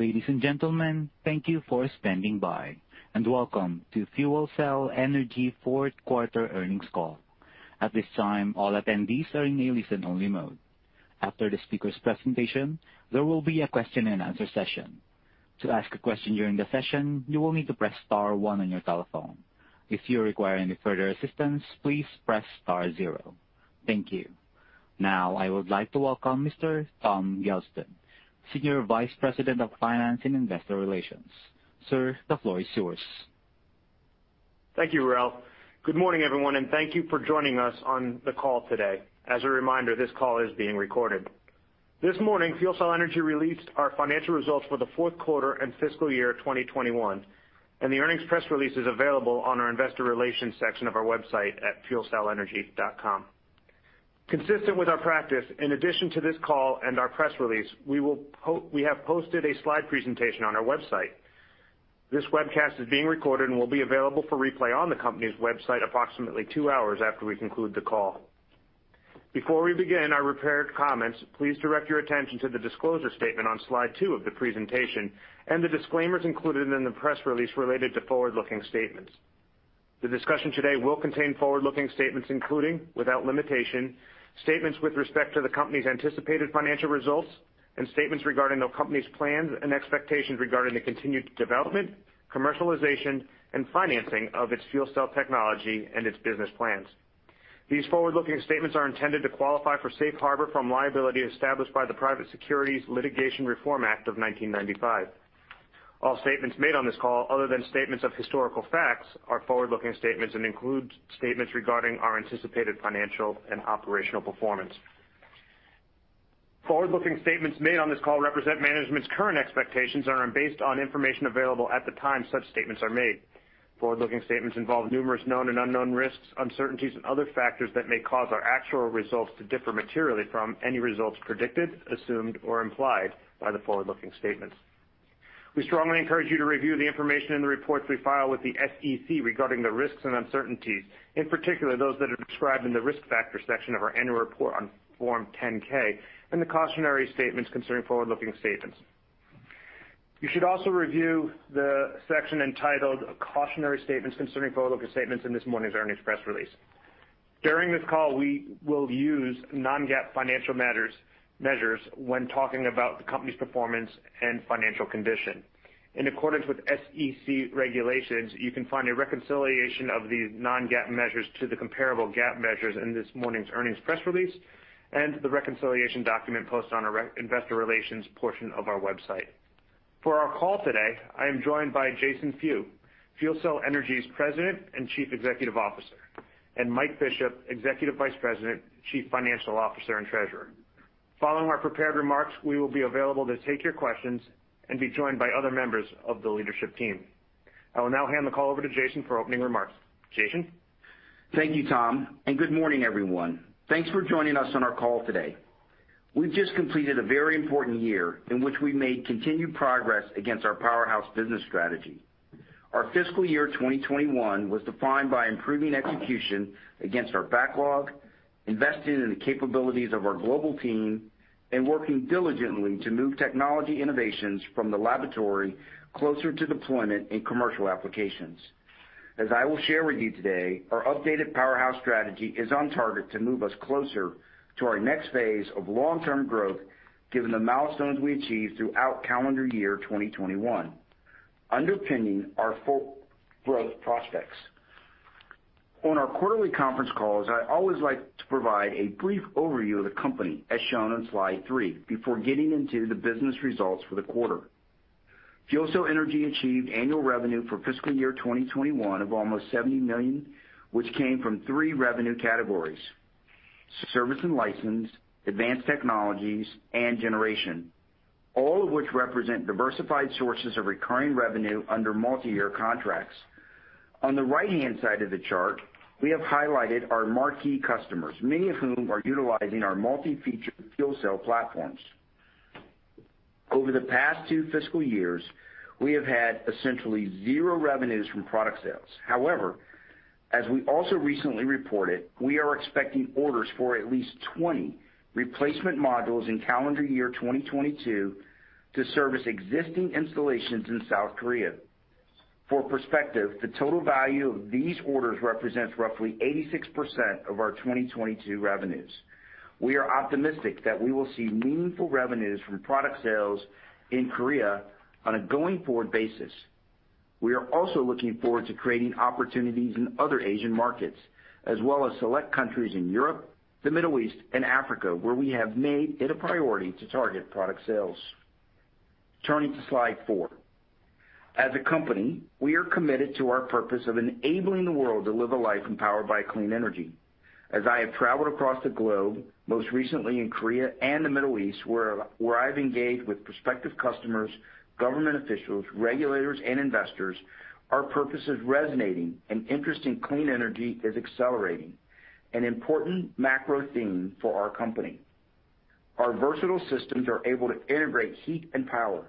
Ladies and gentlemen, thank you for standing by, and welcome to FuelCell Energy Q4 Earnings Call. At this time, all attendees are in a listen-only mode. After the speaker's presentation, there will be a question-and-answer session. To ask a question during the session, you will need to press star one on your telephone. If you require any further assistance, please press star zero. Thank you. Now I would like to welcome Mr. Tom Gelston, Senior Vice President of Finance and Investor Relations. Sir, the floor is yours. Thank you, Ralph. Good morning, everyone, and thank you for joining us on the call today. As a reminder, this call is being recorded. This morning, FuelCell Energy released our financial results for the Q4 and fiscal year 2021, and the earnings press release is available on our investor relations section of our website at fuelcellenergy.com. Consistent with our practice, in addition to this call and our press release, we have posted a slide presentation on our website. This webcast is being recorded and will be available for replay on the company's website approximately two hours after we conclude the call. Before we begin our prepared comments, please direct your attention to the disclosure statement on slide two of the presentation and the disclaimers included in the press release related to forward-looking statements. The discussion today will contain forward-looking statements including, without limitation, statements with respect to the company's anticipated financial results and statements regarding the company's plans and expectations regarding the continued development, commercialization, and financing of its fuel cell technology and its business plans. These forward-looking statements are intended to qualify for safe harbor from liability established by the Private Securities Litigation Reform Act of 1995. All statements made on this call, other than statements of historical facts, are forward-looking statements and include statements regarding our anticipated financial and operational performance. Forward-looking statements made on this call represent management's current expectations and are based on information available at the time such statements are made. Forward-looking statements involve numerous known and unknown risks, uncertainties, and other factors that may cause our actual results to differ materially from any results predicted, assumed or implied by the forward-looking statements. We strongly encourage you to review the information in the reports we file with the SEC regarding the risks and uncertainties, in particular those that are described in the Risk Factors section of our annual report on Form 10-K and the cautionary statements concerning forward-looking statements. You should also review the section entitled Cautionary Statements Concerning Forward-Looking Statements in this morning's earnings press release. During this call, we will use non-GAAP financial measures when talking about the company's performance and financial condition. In accordance with SEC regulations, you can find a reconciliation of these non-GAAP measures to the comparable GAAP measures in this morning's earnings press release and the reconciliation document posted on our investor relations section of our website. For our call today, I am joined by Jason Few, FuelCell Energy's President and Chief Executive Officer, and Mike Bishop, Executive Vice President, Chief Financial Officer, and Treasurer. Following our prepared remarks, we will be available to take your questions and be joined by other members of the leadership team. I will now hand the call over to Jason for opening remarks. Jason? Thank you, Tom, and good morning, everyone. Thanks for joining us on our call today. We've just completed a very important year in which we made continued progress against our powerhouse business strategy. Our fiscal year 2021 was defined by improving execution against our backlog, investing in the capabilities of our global team, and working diligently to move technology innovations from the laboratory closer to deployment in commercial applications. As I will share with you today, our updated powerhouse strategy is on target to move us closer to our next phase of long-term growth given the milestones we achieved throughout calendar year 2021, underpinning our full growth prospects. On our quarterly conference calls, I always like to provide a brief overview of the company, as shown on slide three, before getting into the business results for the quarter. FuelCell Energy achieved annual revenue for fiscal year 2021 of almost $70 million, which came from three revenue categories, service and license, advanced technologies, and generation, all of which represent diversified sources of recurring revenue under multiyear contracts. On the right-hand side of the chart, we have highlighted our marquee customers, many of whom are utilizing our multi-featured fuel cell platforms. Over the past two fiscal years, we have had essentially zero revenues from product sales. However, as we also recently reported, we are expecting orders for at least 20 replacement modules in calendar year 2022 to service existing installations in South Korea. For perspective, the total value of these orders represents roughly 86% of our 2022 revenues. We are optimistic that we will see meaningful revenues from product sales in Korea on a going-forward basis. We are also looking forward to creating opportunities in other Asian markets as well as select countries in Europe, the Middle East, and Africa, where we have made it a priority to target product sales. Turning to slide four. As a company, we are committed to our purpose of enabling the world to live a life empowered by clean energy. As I have traveled across the globe, most recently in Korea and the Middle East, where I've engaged with prospective customers, government officials, regulators, and investors, our purpose is resonating, and interest in clean energy is accelerating, an important macro theme for our company. Our versatile systems are able to integrate heat and power,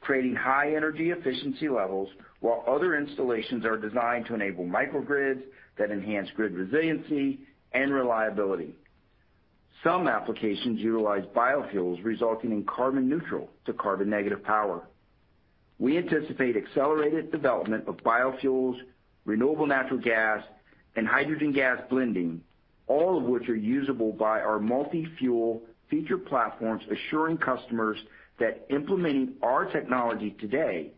creating high energy efficiency levels while other installations are designed to enable microgrids that enhance grid resiliency and reliability. Some applications utilize biofuels resulting in carbon neutral to carbon negative power. We anticipate accelerated development of biofuels, renewable natural gas, and hydrogen gas blending, all of which are usable by our multi-fuel feature platforms, assuring customers that implementing our technology today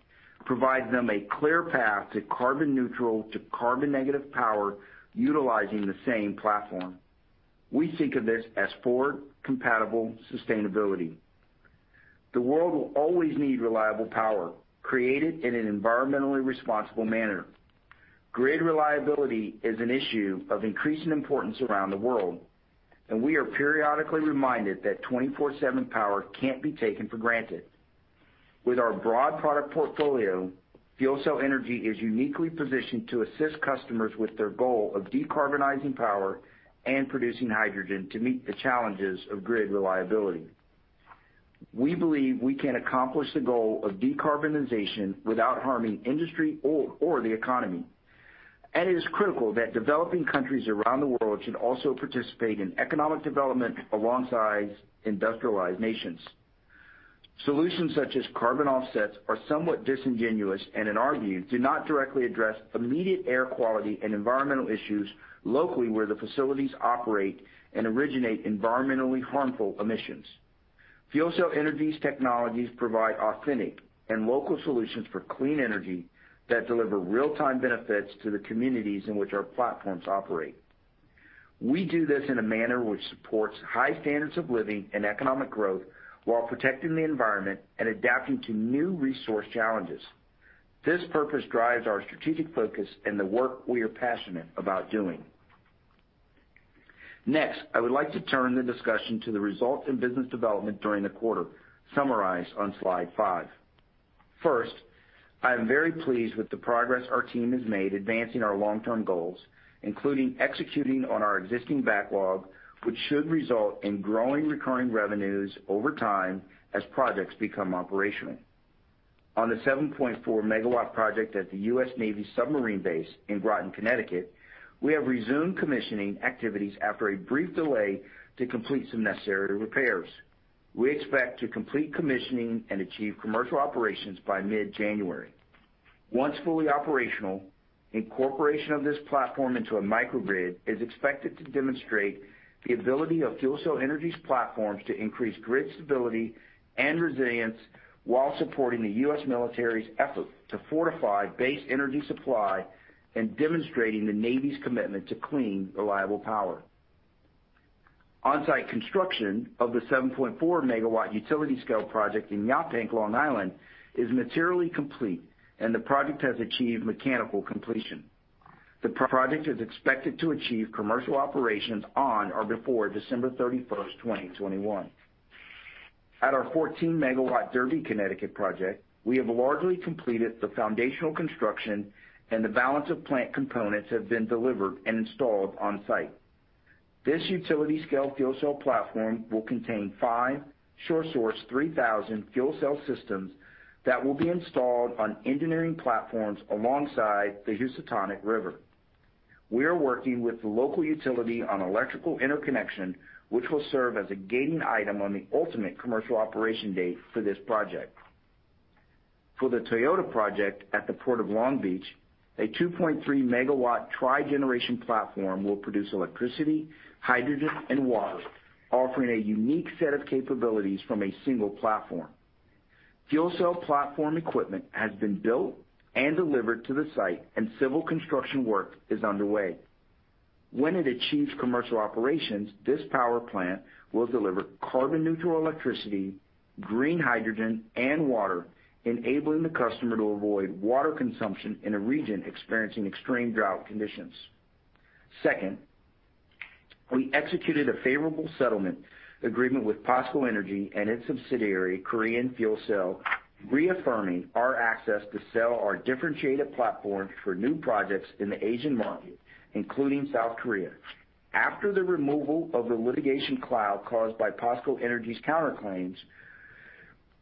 provides them a clear path to carbon neutral to carbon negative power utilizing the same platform. We think of this as forward-compatible sustainability. The world will always need reliable power created in an environmentally responsible manner. Grid reliability is an issue of increasing importance around the world, and we are periodically reminded that 24/7 power can't be taken for granted. With our broad product portfolio, FuelCell Energy is uniquely positioned to assist customers with their goal of decarbonizing power and producing hydrogen to meet the challenges of grid reliability. We believe we can accomplish the goal of decarbonization without harming industry or the economy, and it is critical that developing countries around the world should also participate in economic development alongside industrialized nations. Solutions such as carbon offsets are somewhat disingenuous and, in our view, do not directly address immediate air quality and environmental issues locally where the facilities operate and originate environmentally harmful emissions. FuelCell Energy's technologies provide authentic and local solutions for clean energy that deliver real-time benefits to the communities in which our platforms operate. We do this in a manner which supports high standards of living and economic growth while protecting the environment and adapting to new resource challenges. This purpose drives our strategic focus and the work we are passionate about doing. Next, I would like to turn the discussion to the results in business development during the quarter, summarized on slide five. First, I am very pleased with the progress our team has made advancing our long-term goals, including executing on our existing backlog, which should result in growing recurring revenues over time as projects become operational. On the 7.4 MW project at the U.S. Navy submarine base in Groton, Connecticut, we have resumed commissioning activities after a brief delay to complete some necessary repairs. We expect to complete commissioning and achieve commercial operations by mid-January. Once fully operational, incorporation of this platform into a microgrid is expected to demonstrate the ability of FuelCell Energy's platforms to increase grid stability and resilience while supporting the U.S. military's effort to fortify base energy supply and demonstrating the Navy's commitment to clean, reliable power. On-site construction of the 7.4 MW utility scale project in Yaphank, Long Island, is materially complete, and the project has achieved mechanical completion. The project is expected to achieve commercial operations on or before December 31, 2021. At our 14-MW Derby, Connecticut project, we have largely completed the foundational construction, and the balance of plant components have been delivered and installed on-site. This utility-scale fuel cell platform will contain five SureSource 3000 fuel cell systems that will be installed on engineering platforms alongside the Housatonic River. We are working with the local utility on electrical interconnection, which will serve as a gating item on the ultimate commercial operation date for this project. For the Toyota project at the Port of Long Beach, a 2.3-MW trigeneration platform will produce electricity, hydrogen, and water, offering a unique set of capabilities from a single platform. FuelCell platform equipment has been built and delivered to the site, and civil construction work is underway. When it achieves commercial operations, this power plant will deliver carbon neutral electricity, green hydrogen, and water, enabling the customer to avoid water consumption in a region experiencing extreme drought conditions. Second, we executed a favorable settlement agreement with POSCO Energy and its subsidiary, Korean Fuel Cell, reaffirming our access to sell our differentiated platform for new projects in the Asian market, including South Korea. After the removal of the litigation cloud caused by POSCO Energy's counterclaims,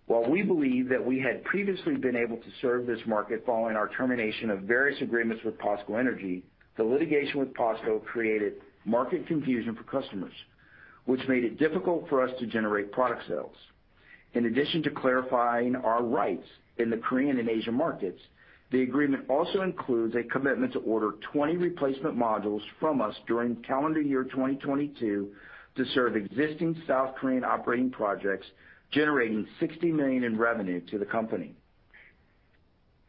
while we believe that we had previously been able to serve this market following our termination of various agreements with POSCO Energy, the litigation with POSCO created market confusion for customers, which made it difficult for us to generate product sales. In addition to clarifying our rights in the Korean and Asian markets, the agreement also includes a commitment to order 20 replacement modules from us during calendar year 2022 to serve existing South Korean operating projects, generating $60 million in revenue to the company.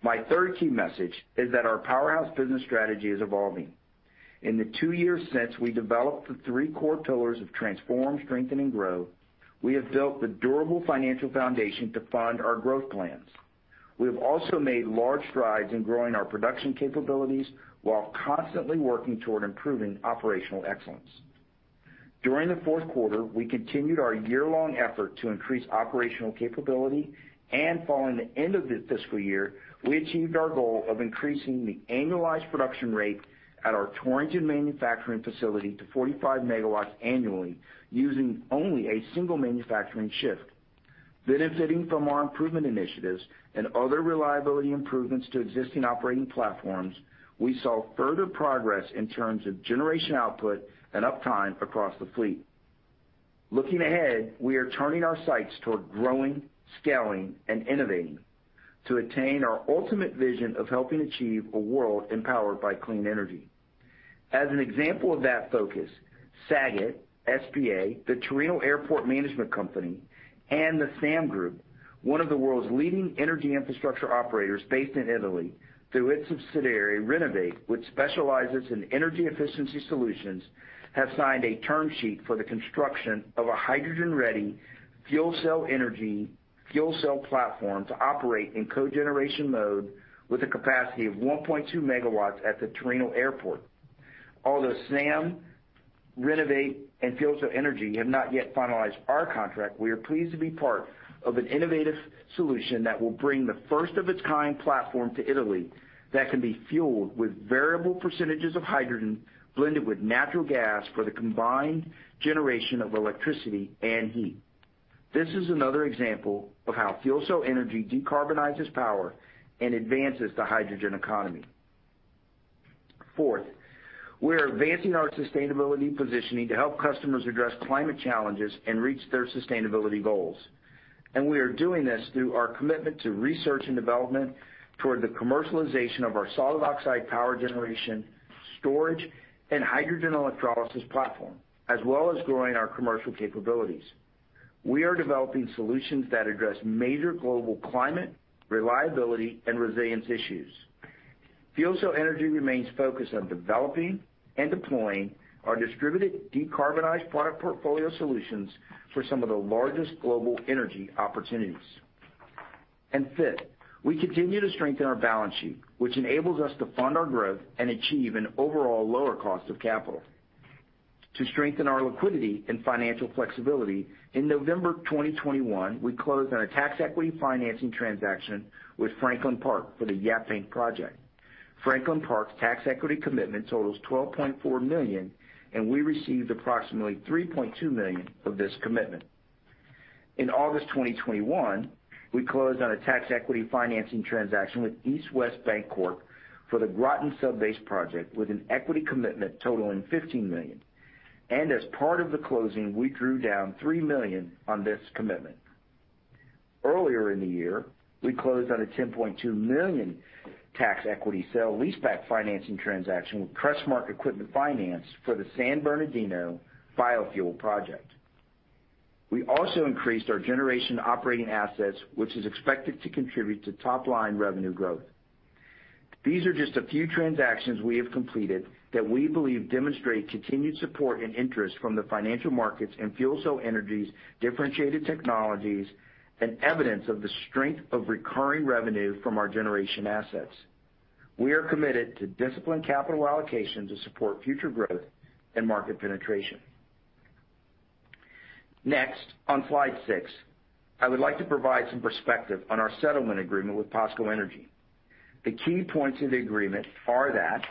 My third key message is that our powerhouse business strategy is evolving. In the two years since we developed the three core pillars of transform, strengthen, and grow, we have built the durable financial foundation to fund our growth plans. We have also made large strides in growing our production capabilities while constantly working toward improving operational excellence. During the Q4, we continued our year-long effort to increase operational capability, and following the end of the fiscal year, we achieved our goal of increasing the annualized production rate at our Torrington manufacturing facility to 45 MW annually using only a single manufacturing shift. Benefiting from our improvement initiatives and other reliability improvements to existing operating platforms, we saw further progress in terms of generation output and uptime across the fleet. Looking ahead, we are turning our sights toward growing, scaling, and innovating to attain our ultimate vision of helping achieve a world empowered by clean energy. As an example of that focus, SAGAT, the Torino Airport management company, and Snam, one of the world's leading energy infrastructure operators based in Italy, through its subsidiary, Renovit, which specializes in energy efficiency solutions, have signed a term sheet for the construction of a hydrogen-ready FuelCell Energy fuel cell platform to operate in cogeneration mode with a capacity of 1.2 MW at the Torino Airport. Although Snam, Renovit, and FuelCell Energy have not yet finalized our contract, we are pleased to be part of an innovative solution that will bring the first of its kind platform to Italy that can be fueled with variable percentages of hydrogen blended with natural gas for the combined generation of electricity and heat. This is another example of how FuelCell Energy decarbonizes power and advances the hydrogen economy. Fourth, we are advancing our sustainability positioning to help customers address climate challenges and reach their sustainability goals. We are doing this through our commitment to research and development toward the commercialization of our solid oxide power generation, storage, and hydrogen electrolysis platform, as well as growing our commercial capabilities. We are developing solutions that address major global climate, reliability, and resilience issues. FuelCell Energy remains focused on developing and deploying our distributed decarbonized product portfolio solutions for some of the largest global energy opportunities. Fifth, we continue to strengthen our balance sheet, which enables us to fund our growth and achieve an overall lower cost of capital. To strengthen our liquidity and financial flexibility, in November 2021, we closed on a tax equity financing transaction with Franklin Park for the Yaphank project. Franklin Park's tax equity commitment totals $12.4 million, and we received approximately $3.2 million of this commitment. In August 2021, we closed on a tax equity financing transaction with East West Bancorp for the Groton Subbase project with an equity commitment totaling $15 million. As part of the closing, we drew down $3 million on this commitment. Earlier in the year, we closed on a $10.2 million tax equity sale-leaseback financing transaction with Crestmark Equipment Finance for the San Bernardino biofuel project. We also increased our generation operating assets, which is expected to contribute to top-line revenue growth. These are just a few transactions we have completed that we believe demonstrate continued support and interest from the financial markets in FuelCell Energy's differentiated technologies and evidence of the strength of recurring revenue from our generation assets. We are committed to disciplined capital allocation to support future growth and market penetration. Next, on slide six, I would like to provide some perspective on our settlement agreement with POSCO Energy. The key points of the agreement are that,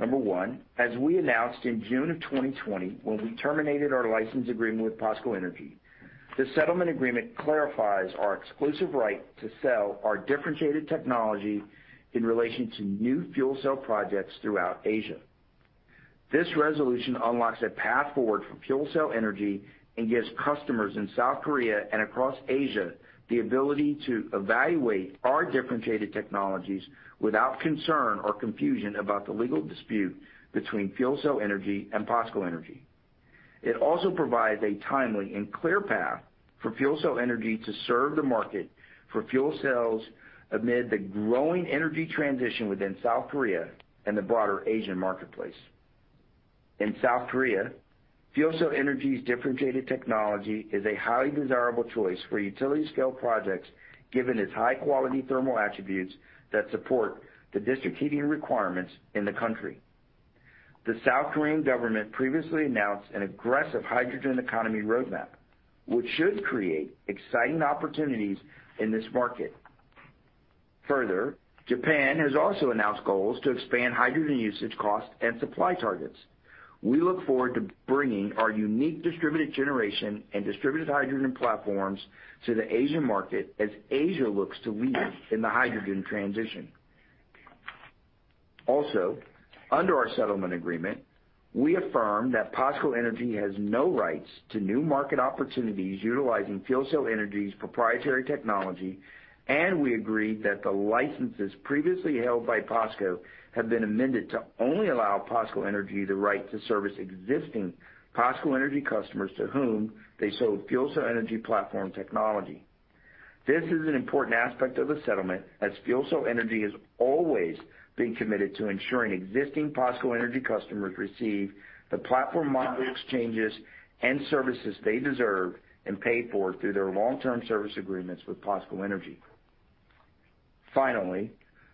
number one, as we announced in June of 2020, when we terminated our license agreement with POSCO Energy, the settlement agreement clarifies our exclusive right to sell our differentiated technology in relation to new fuel cell projects throughout Asia. This resolution unlocks a path forward for FuelCell Energy and gives customers in South Korea and across Asia the ability to evaluate our differentiated technologies without concern or confusion about the legal dispute between FuelCell Energy and POSCO Energy. It also provides a timely and clear path for FuelCell Energy to serve the market for fuel cells amid the growing energy transition within South Korea and the broader Asian marketplace. In South Korea, FuelCell Energy's differentiated technology is a highly desirable choice for utility-scale projects given its high-quality thermal attributes that support the district heating requirements in the country. The South Korean government previously announced an aggressive hydrogen economy roadmap, which should create exciting opportunities in this market. Further, Japan has also announced goals to expand hydrogen usage costs and supply targets. We look forward to bringing our unique distributed generation and distributed hydrogen platforms to the Asian market as Asia looks to lead in the hydrogen transition. Also, under our settlement agreement, we affirm that POSCO Energy has no rights to new market opportunities utilizing FuelCell Energy's proprietary technology, and we agreed that the licenses previously held by POSCO have been amended to only allow POSCO Energy the right to service existing POSCO Energy customers to whom they sold FuelCell Energy platform technology. This is an important aspect of the settlement, as FuelCell Energy has always been committed to ensuring existing POSCO Energy customers receive the platform model exchanges and services they deserve and pay for through their long-term service agreements with POSCO Energy. Finally,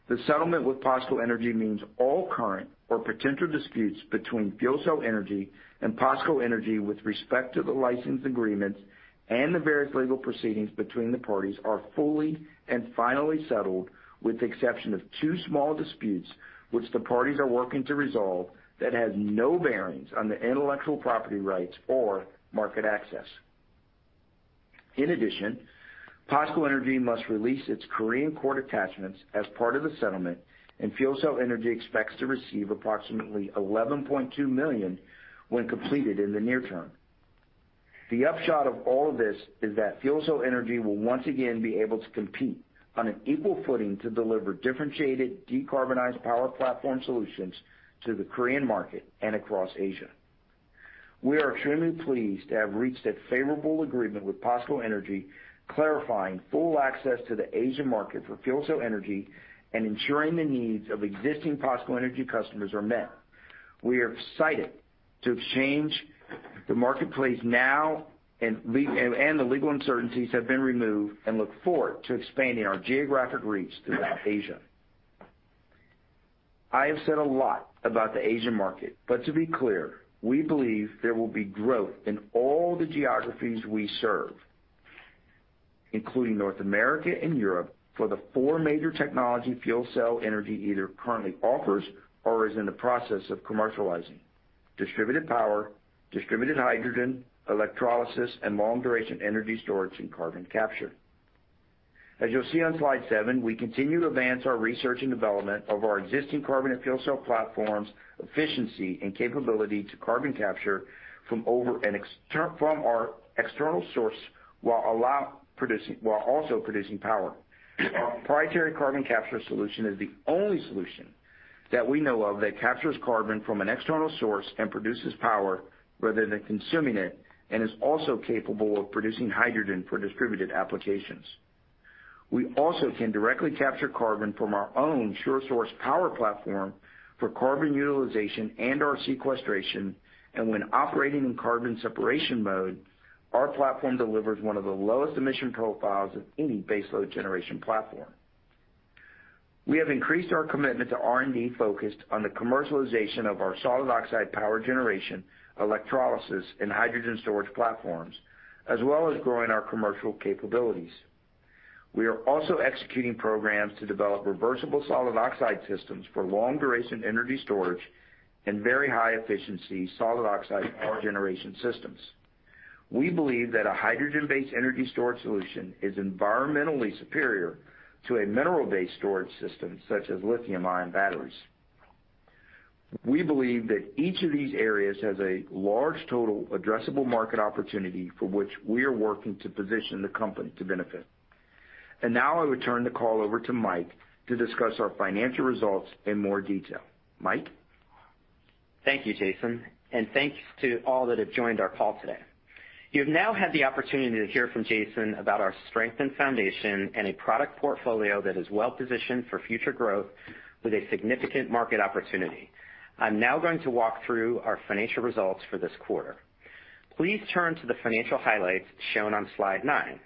the settlement with POSCO Energy means all current or potential disputes between FuelCell Energy and POSCO Energy with respect to the license agreements and the various legal proceedings between the parties are fully and finally settled with the exception of two small disputes, which the parties are working to resolve that has no bearing on the intellectual property rights or market access. In addition, POSCO Energy must release its Korean court attachments as part of the settlement, and FuelCell Energy expects to receive approximately $11.2 million when completed in the near term. The upshot of all this is that FuelCell Energy will once again be able to compete on an equal footing to deliver differentiated, decarbonized power platform solutions to the Korean market and across Asia. We are extremely pleased to have reached a favorable agreement with POSCO Energy, clarifying full access to the Asian market for FuelCell Energy and ensuring the needs of existing POSCO Energy customers are met. We are excited to have changed the marketplace now and the legal uncertainties have been removed and look forward to expanding our geographic reach throughout Asia. I have said a lot about the Asian market, but to be clear, we believe there will be growth in all the geographies we serve, including North America and Europe, for the four major technology FuelCell Energy either currently offers or is in the process of commercializing, distributed power, distributed hydrogen, electrolysis, and long-duration energy storage and carbon capture. As you'll see on slide seven, we continue to advance our research and development of our existing carbon and fuel cell platforms' efficiency and capability to carbon capture from our external source, while also producing power. Our proprietary carbon capture solution is the only solution that we know of that captures carbon from an external source and produces power rather than consuming it and is also capable of producing hydrogen for distributed applications. We also can directly capture carbon from our own SureSource power platform for carbon utilization and/or sequestration, and when operating in carbon separation mode, our platform delivers one of the lowest emission profiles of any baseload generation platform. We have increased our commitment to R&D focused on the commercialization of our solid oxide power generation, electrolysis, and hydrogen storage platforms, as well as growing our commercial capabilities. We are also executing programs to develop reversible solid oxide systems for long-duration energy storage and very high efficiency solid oxide power generation systems. We believe that a hydrogen-based energy storage solution is environmentally superior to a mineral-based storage system such as lithium-ion batteries. We believe that each of these areas has a large total addressable market opportunity for which we are working to position the company to benefit. Now I will turn the call over to Mike to discuss our financial results in more detail. Mike? Thank you, Jason, and thanks to all that have joined our call today. You've now had the opportunity to hear from Jason about our strengthened foundation and a product portfolio that is well-positioned for future growth with a significant market opportunity. I'm now going to walk through our financial results for this quarter. Please turn to the financial highlights shown on slide nine.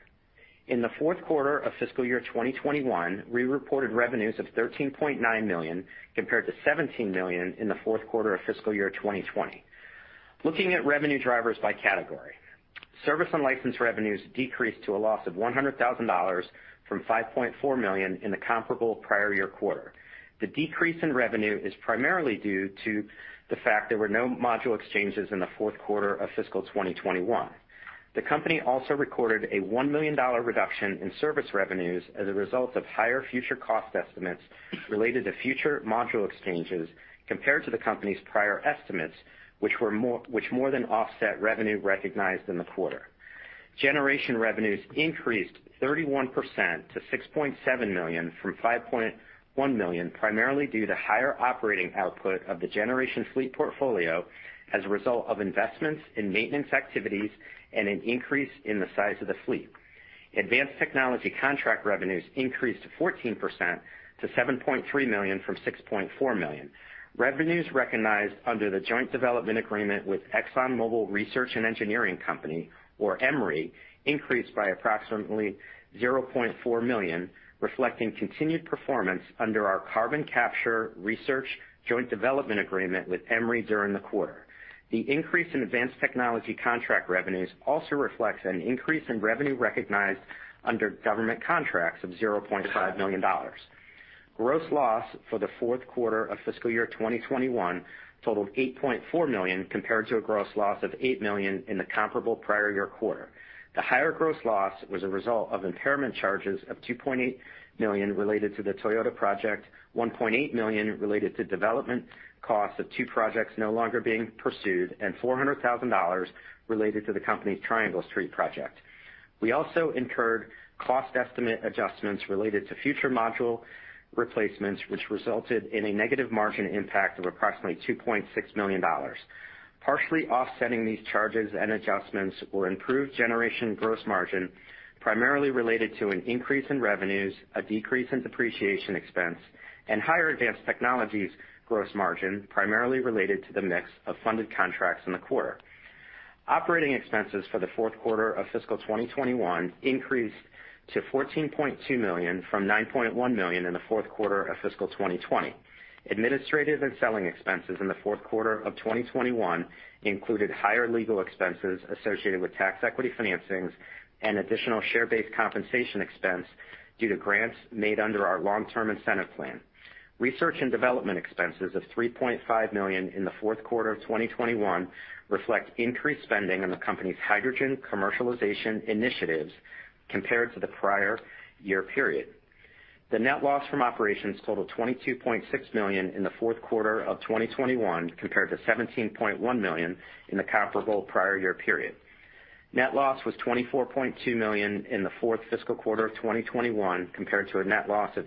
In the Q4 of fiscal year 2021, we reported revenues of $13.9 million compared to $17 million in the Q4 of fiscal year 2020. Looking at revenue drivers by category, service and license revenues decreased to a loss of $100,000 from $5.4 million in the comparable prior year quarter. The decrease in revenue is primarily due to the fact there were no module exchanges in the Q4 of fiscal year 2021. The company also recorded a $1 million reduction in service revenues as a result of higher future cost estimates related to future module exchanges compared to the company's prior estimates, which more than offset revenue recognized in the quarter. Generation revenues increased 31% to $6.7 million from $5.1 million, primarily due to higher operating output of the generation fleet portfolio as a result of investments in maintenance activities and an increase in the size of the fleet. Advanced technology contract revenues increased 14% to $7.3 million from $6.4 million. Revenues recognized under the joint development agreement with ExxonMobil Research and Engineering Company, or EMRE, increased by approximately $0.4 million, reflecting continued performance under our carbon capture research joint development agreement with EMRE during the quarter. The increase in advanced technology contract revenues also reflects an increase in revenue recognized under government contracts of $0.5 million. Gross loss for the Q4 of fiscal year 2021 totaled $8.4 million compared to a gross loss of $8 million in the comparable prior year quarter. The higher gross loss was a result of impairment charges of $2.8 million related to the Toyota project, $1.8 million related to development costs of two projects no longer being pursued, and $400,000 related to the company's Triangle Street project. We also incurred cost estimate adjustments related to future module replacements, which resulted in a negative margin impact of approximately $2.6 million. Partially offsetting these charges and adjustments were improved generation gross margin, primarily related to an increase in revenues, a decrease in depreciation expense, and higher advanced technologies gross margin, primarily related to the mix of funded contracts in the quarter. Operating expenses for the Q4 of fiscal 2021 increased to $14.2 million from $9.1 million in the Q4 of fiscal 2020. Administrative and selling expenses in the Q4 of 2021 included higher legal expenses associated with tax equity financings and additional share-based compensation expense due to grants made under our long-term incentive plan. Research and development expenses of $3.5 million in the Q4 of 2021 reflect increased spending on the company's hydrogen commercialization initiatives compared to the prior year period. The net loss from operations totaled $22.6 million in the Q4 of 2021 compared to $17.1 million in the comparable prior year period. Net loss was $24.2 million in the fourth fiscal quarter of 2021 compared to a net loss of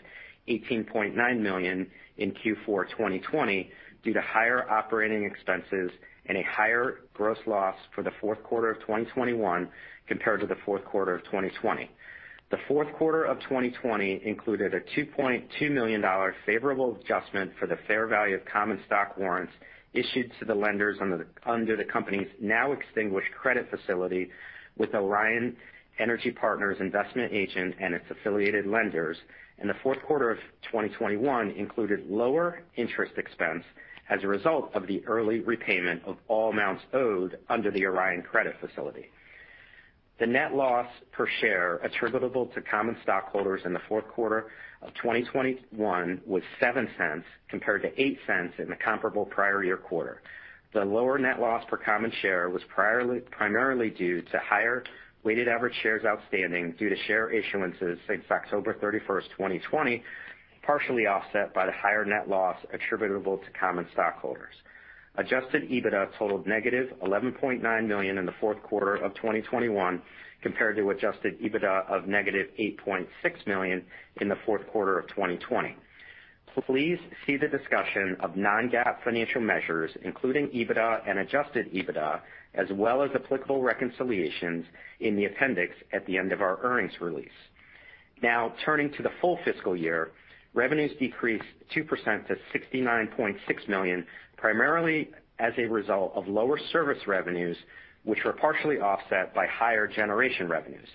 $18.9 million in Q4 2020 due to higher operating expenses and a higher gross loss for the Q4 of 2021 compared to the Q4 of 2020. The Q4 of 2020 included a $2.2 million favorable adjustment for the fair value of common stock warrants issued to the lenders under the company's now extinguished credit facility with Orion Energy Partners investment agent and its affiliated lenders. The Q4 of 2021 included lower interest expense as a result of the early repayment of all amounts owed under the Orion credit facility. The net loss per share attributable to common stockholders in the Q4 of 2021 was $0.07, compared to $0.08 in the comparable prior year quarter. The lower net loss per common share was primarily due to higher weighted average shares outstanding due to share issuances since October 31, 2020, partially offset by the higher net loss attributable to common stockholders. Adjusted EBITDA totaled -$11.9 million in the Q4 of 2021, compared to adjusted EBITDA of -$8.6 million in the Q4 of 2020. Please see the discussion of non-GAAP financial measures, including EBITDA and adjusted EBITDA, as well as applicable reconciliations in the appendix at the end of our earnings release. Now turning to the full fiscal year. Revenues decreased 2% to $69.6 million, primarily as a result of lower service revenues, which were partially offset by higher generation revenues.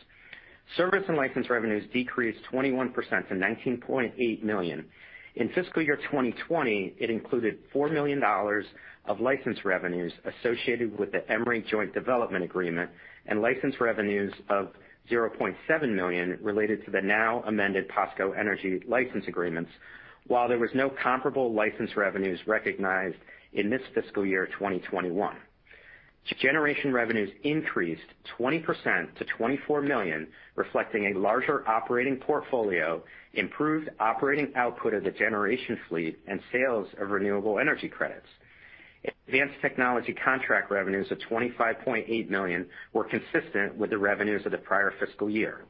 Service and license revenues decreased 21% to $19.8 million. In fiscal year 2020, it included $4 million of license revenues associated with the EMRE Joint Development Agreement and license revenues of $0.7 million related to the now amended POSCO Energy license agreements. While there was no comparable license revenues recognized in this fiscal year 2021. Generation revenues increased 20% to $24 million, reflecting a larger operating portfolio, improved operating output of the generation fleet, and sales of renewable energy credits. Advanced technology contract revenues of $25.8 million were consistent with the revenues of the prior fiscal year.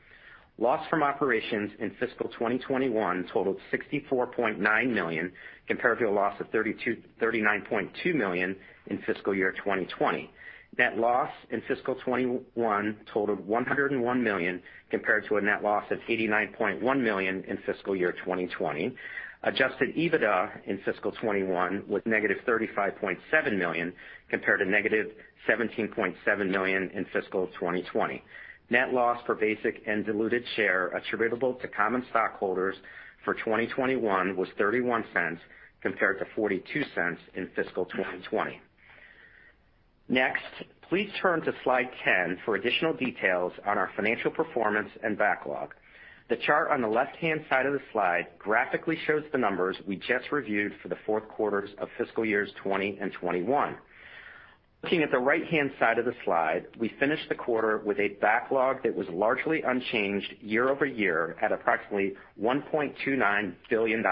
Loss from operations in fiscal 2021 totaled $64.9 million, compared to a loss of $39.2 million in fiscal year 2020. Net loss in fiscal 2021 totaled $101 million, compared to a net loss of $89.1 million in fiscal year 2020. Adjusted EBITDA in fiscal 2021 was negative $35.7 million, compared to negative $17.7 million in fiscal 2020. Net loss per basic and diluted share attributable to common stockholders for 2021 was $0.31 compared to $0.42 in fiscal 2020. Next, please turn to slide 10 for additional details on our financial performance and backlog. The chart on the left-hand side of the slide graphically shows the numbers we just reviewed for the Q4s of fiscal years 2020 and 2021. Looking at the right-hand side of the slide, we finished the quarter with a backlog that was largely unchanged year over year at approximately $1.29 billion,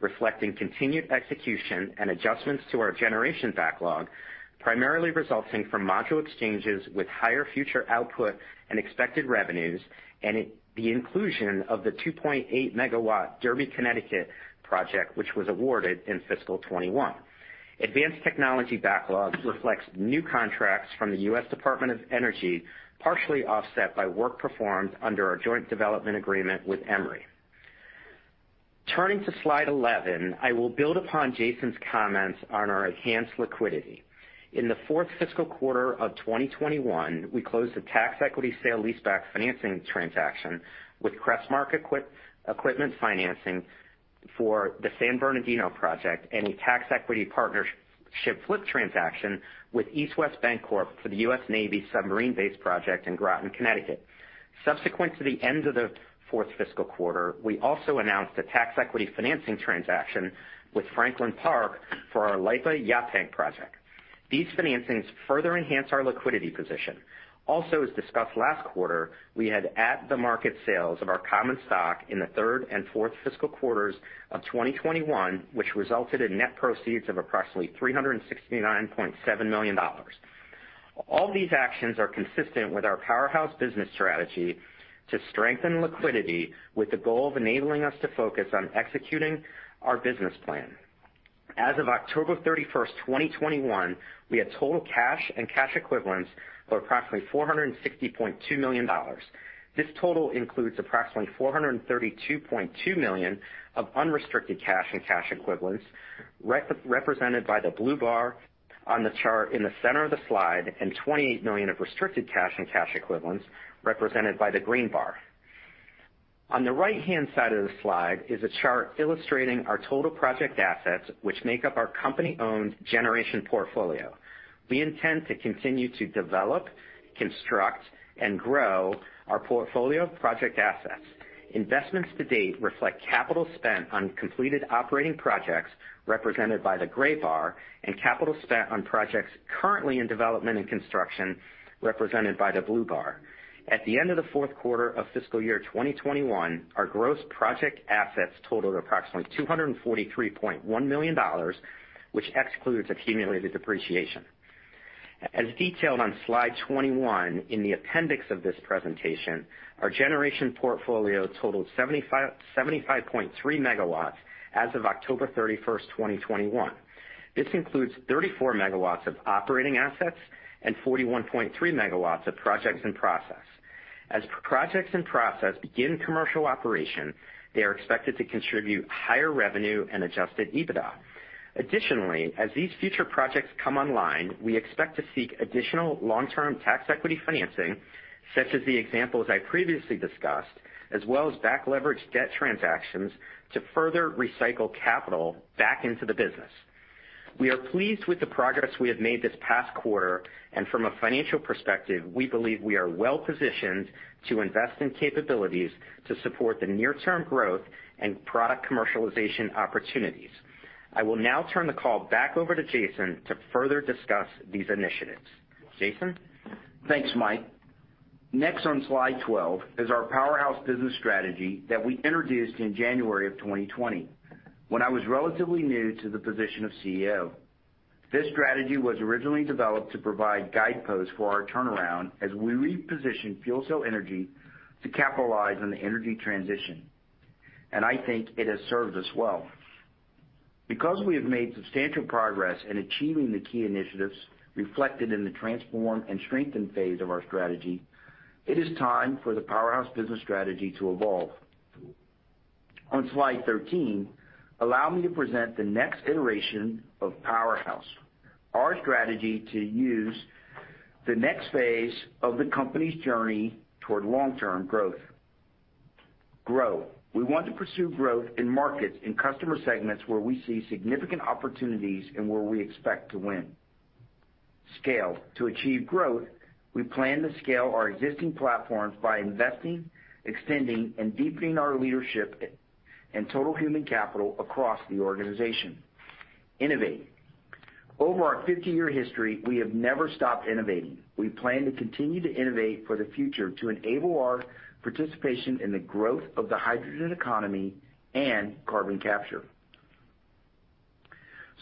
reflecting continued execution and adjustments to our generation backlog, primarily resulting from module exchanges with higher future output and expected revenues, and the inclusion of the 2.8 MW Derby, Connecticut project, which was awarded in fiscal 2021. Advanced technology backlog reflects new contracts from the U.S. Department of Energy, partially offset by work performed under our joint development agreement with EMRE. Turning to slide 11, I will build upon Jason's comments on our enhanced liquidity. In the fourth fiscal quarter of 2021, we closed the tax equity sale-leaseback financing transaction with Crestmark Equipment Finance for the San Bernardino project and a tax equity partnership flip transaction with East West Bank for the U.S. Navy submarine base project in Groton, Connecticut. Subsequent to the end of the fourth fiscal quarter, we also announced a tax equity financing transaction with Franklin Park for our LIPA Yaphank project. These financings further enhance our liquidity position. Also, as discussed last quarter, we had at-the-market sales of our common stock in the third and fourth fiscal quarters of 2021, which resulted in net proceeds of approximately $369.7 million. All these actions are consistent with our powerhouse business strategy to strengthen liquidity with the goal of enabling us to focus on executing our business plan. As of October 31, 2021, we had total cash and cash equivalents of approximately $460.2 million. This total includes approximately $432.2 million of unrestricted cash and cash equivalents represented by the blue bar on the chart in the center of the slide, and $28 million of restricted cash and cash equivalents, represented by the green bar. On the right-hand side of the slide is a chart illustrating our total project assets, which make up our company-owned generation portfolio. We intend to continue to develop, construct, and grow our portfolio of project assets. Investments to date reflect capital spent on completed operating projects, represented by the gray bar, and capital spent on projects currently in development and construction, represented by the blue bar. At the end of the fourth quarter of fiscal year 2021, our gross project assets totaled approximately $243.1 million, which excludes accumulated depreciation. As detailed on slide 21 in the appendix of this presentation, our generation portfolio totaled 75.3 MW as of October 31, 2021. This includes 34 MW of operating assets and 41.3 MW of projects in process. As projects in process begin commercial operation, they are expected to contribute higher revenue and adjusted EBITDA. Additionally, as these future projects come online, we expect to seek additional long-term tax equity financing, such as the examples I previously discussed, as well as back-leveraged debt transactions to further recycle capital back into the business. We are pleased with the progress we have made this past quarter, and from a financial perspective, we believe we are well-positioned to invest in capabilities to support the near-term growth and product commercialization opportunities. I will now turn the call back over to Jason to further discuss these initiatives. Jason? Thanks, Mike. Next on slide 12 is our powerhouse business strategy that we introduced in January of 2020, when I was relatively new to the position of CEO. This strategy was originally developed to provide guideposts for our turnaround as we repositioned FuelCell Energy to capitalize on the energy transition, and I think it has served us well. Because we have made substantial progress in achieving the key initiatives reflected in the transform and strengthen phase of our strategy, it is time for the powerhouse business strategy to evolve. On slide 13, allow me to present the next iteration of powerhouse, our strategy to use the next phase of the company's journey toward long-term growth. Grow. We want to pursue growth in markets, in customer segments where we see significant opportunities and where we expect to win. Scale. To achieve growth, we plan to scale our existing platforms by investing, extending, and deepening our leadership and total human capital across the organization. Innovate. Over our 50-year history, we have never stopped innovating. We plan to continue to innovate for the future to enable our participation in the growth of the hydrogen economy and carbon capture.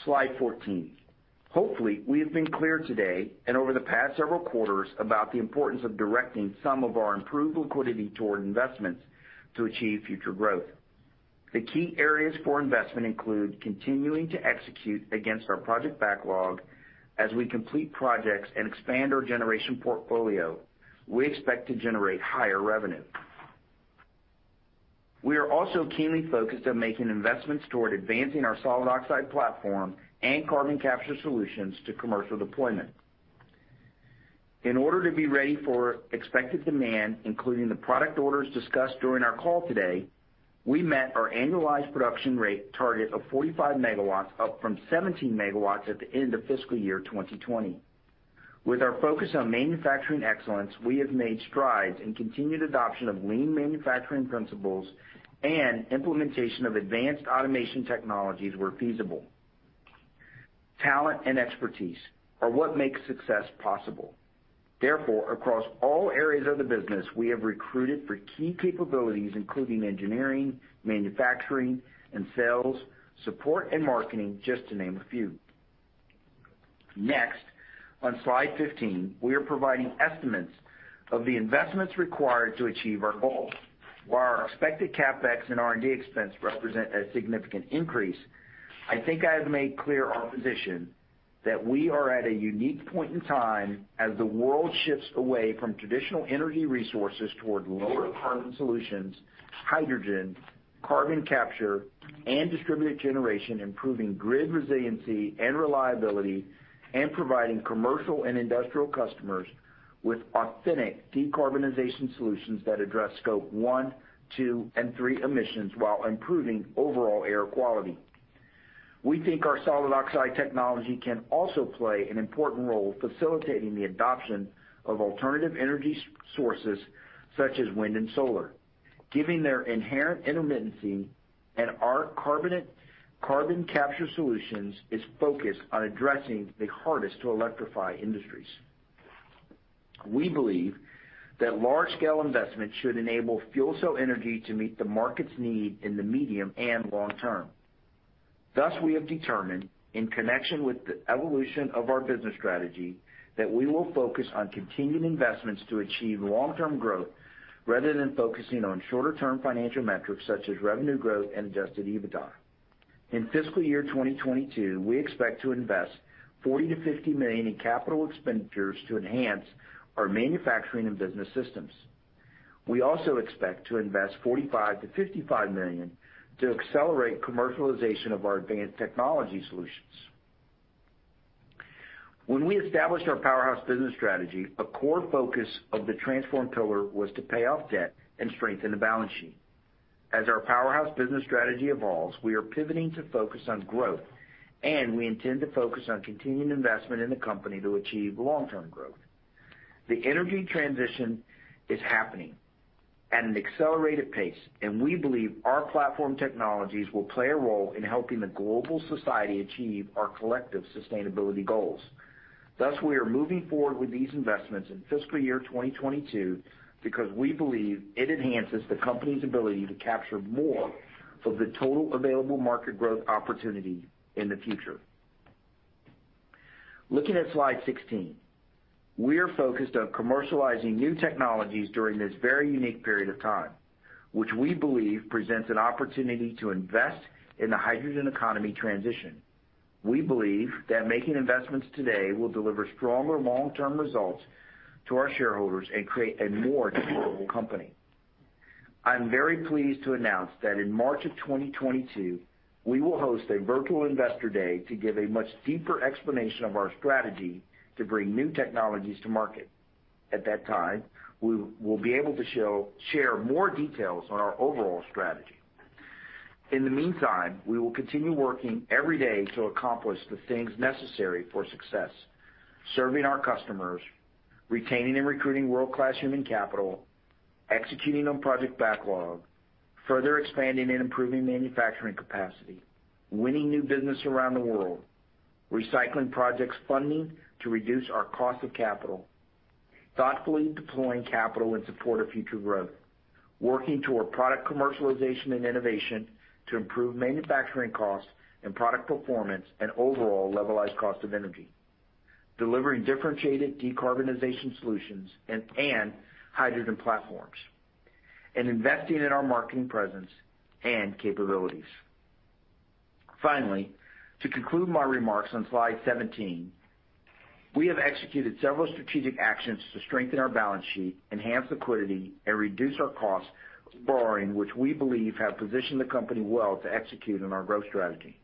Slide 14, hopefully, we have been clear today and over the past several quarters about the importance of directing some of our improved liquidity toward investments to achieve future growth. The key areas for investment include continuing to execute against our project backlog. As we complete projects and expand our generation portfolio, we expect to generate higher revenue. We are also keenly focused on making investments toward advancing our solid oxide platform and carbon capture solutions to commercial deployment. In order to be ready for expected demand, including the product orders discussed during our call today, we met our annualized production rate target of 45 MW, up from 17 MW at the end of fiscal year 2020. With our focus on manufacturing excellence, we have made strides in continued adoption of lean manufacturing principles and implementation of advanced automation technologies where feasible. Talent and expertise are what make success possible. Therefore, across all areas of the business, we have recruited for key capabilities, including engineering, manufacturing, and sales, support, and marketing, just to name a few. Next, on slide 15, we are providing estimates of the investments required to achieve our goals. While our expected CapEx and R&D expense represent a significant increase, I think I have made clear our position that we are at a unique point in time as the world shifts away from traditional energy resources toward lower carbon solutions, hydrogen, carbon capture, and distributed generation, improving grid resiliency and reliability, and providing commercial and industrial customers with authentic decarbonization solutions that address Scope 1, 2, and 3 emissions while improving overall air quality. We think our solid oxide technology can also play an important role facilitating the adoption of alternative energy sources such as wind and solar, given their inherent intermittency and our carbonate carbon capture solutions is focused on addressing the hardest to electrify industries. We believe that large-scale investments should enable FuelCell Energy to meet the market's need in the medium and long term. Thus, we have determined, in connection with the evolution of our business strategy, that we will focus on continued investments to achieve long-term growth rather than focusing on shorter-term financial metrics such as revenue growth and adjusted EBITDA. In fiscal year 2022, we expect to invest $40 million-$50 million in capital expenditures to enhance our manufacturing and business systems. We also expect to invest $45 million-$55 million to accelerate commercialization of our advanced technology solutions. When we established our powerhouse business strategy, a core focus of the transform pillar was to pay off debt and strengthen the balance sheet. As our powerhouse business strategy evolves, we are pivoting to focus on growth, and we intend to focus on continued investment in the company to achieve long-term growth. The energy transition is happening. At an accelerated pace, and we believe our platform technologies will play a role in helping the global society achieve our collective sustainability goals. Thus, we are moving forward with these investments in fiscal year 2022 because we believe it enhances the company's ability to capture more of the total available market growth opportunity in the future. Looking at slide 16, we are focused on commercializing new technologies during this very unique period of time, which we believe presents an opportunity to invest in the hydrogen economy transition. We believe that making investments today will deliver stronger long-term results to our shareholders and create a more sustainable company. I'm very pleased to announce that in March of 2022, we will host a virtual investor day to give a much deeper explanation of our strategy to bring new technologies to market. At that time, we will be able to share more details on our overall strategy. In the meantime, we will continue working every day to accomplish the things necessary for success, serving our customers, retaining and recruiting world-class human capital, executing on project backlog, further expanding and improving manufacturing capacity, winning new business around the world, recycling projects funding to reduce our cost of capital, thoughtfully deploying capital in support of future growth, working toward product commercialization and innovation to improve manufacturing costs and product performance and overall levelized cost of energy, delivering differentiated decarbonization solutions and hydrogen platforms, and investing in our marketing presence and capabilities. Finally, to conclude my remarks on slide 17, we have executed several strategic actions to strengthen our balance sheet, enhance liquidity, and reduce our costs of borrowing, which we believe have positioned the company well to execute on our growth strategy.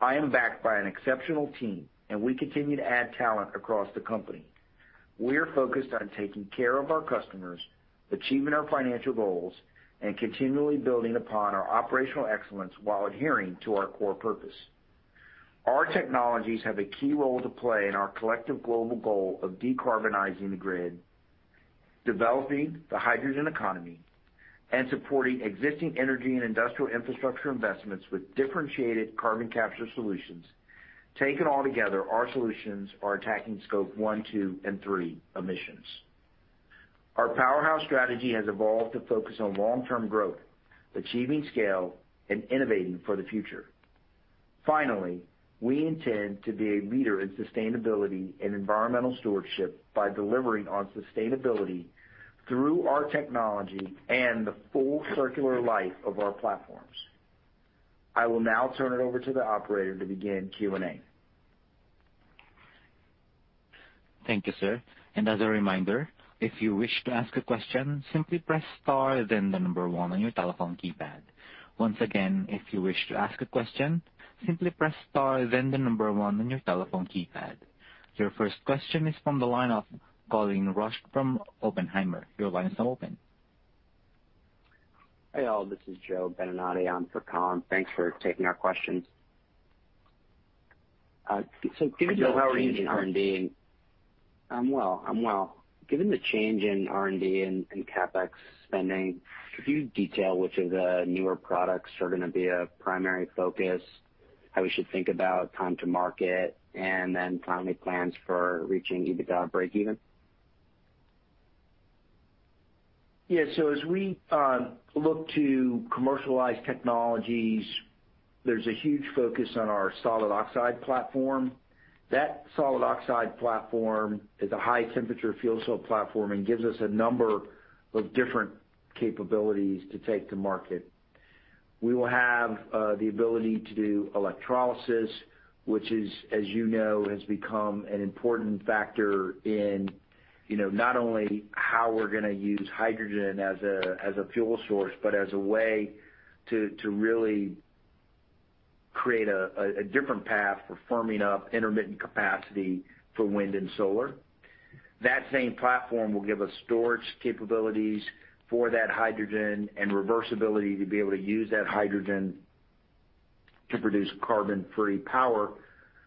I am backed by an exceptional team, and we continue to add talent across the company. We are focused on taking care of our customers, achieving our financial goals, and continually building upon our operational excellence while adhering to our core purpose. Our technologies have a key role to play in our collective global goal of decarbonizing the grid, developing the hydrogen economy, and supporting existing energy and industrial infrastructure investments with differentiated carbon capture solutions. Taken all together, our solutions are attacking Scope 1, 2, and 3 emissions. Our powerhouse strategy has evolved to focus on long-term growth, achieving scale and innovating for the future. Finally, we intend to be a leader in sustainability and environmental stewardship by delivering on sustainability through our technology and the full circular life of our platforms. I will now turn it over to the operator to begin Q&A. Thank you, sir. As a reminder, if you wish to ask a question, simply press star then the number 1 on your telephone keypad. Once again, if you wish to ask a question, simply press star then the number 1 on your telephone keypad. Your first question is from the line of Colin Rusch from Oppenheimer. Your line is now open. Hey, all. This is Joe Beninati on for Colin. Thanks for taking our questions. Given the change in R&D and CapEx spending, could you detail which of the newer products are gonna be a primary focus, how we should think about time to market, and then finally, plans for reaching EBITDA breakeven? Yeah. As we look to commercialize technologies, there's a huge focus on our solid oxide platform. That solid oxide platform is a high-temperature fuel cell platform and gives us a number of different capabilities to take to market. We will have the ability to do electrolysis, which, as you know, has become an important factor in, you know, not only how we're gonna use hydrogen as a fuel source, but as a way to really create a different path for firming up intermittent capacity for wind and solar. That same platform will give us storage capabilities for that hydrogen and reversibility to be able to use that hydrogen to produce carbon-free power,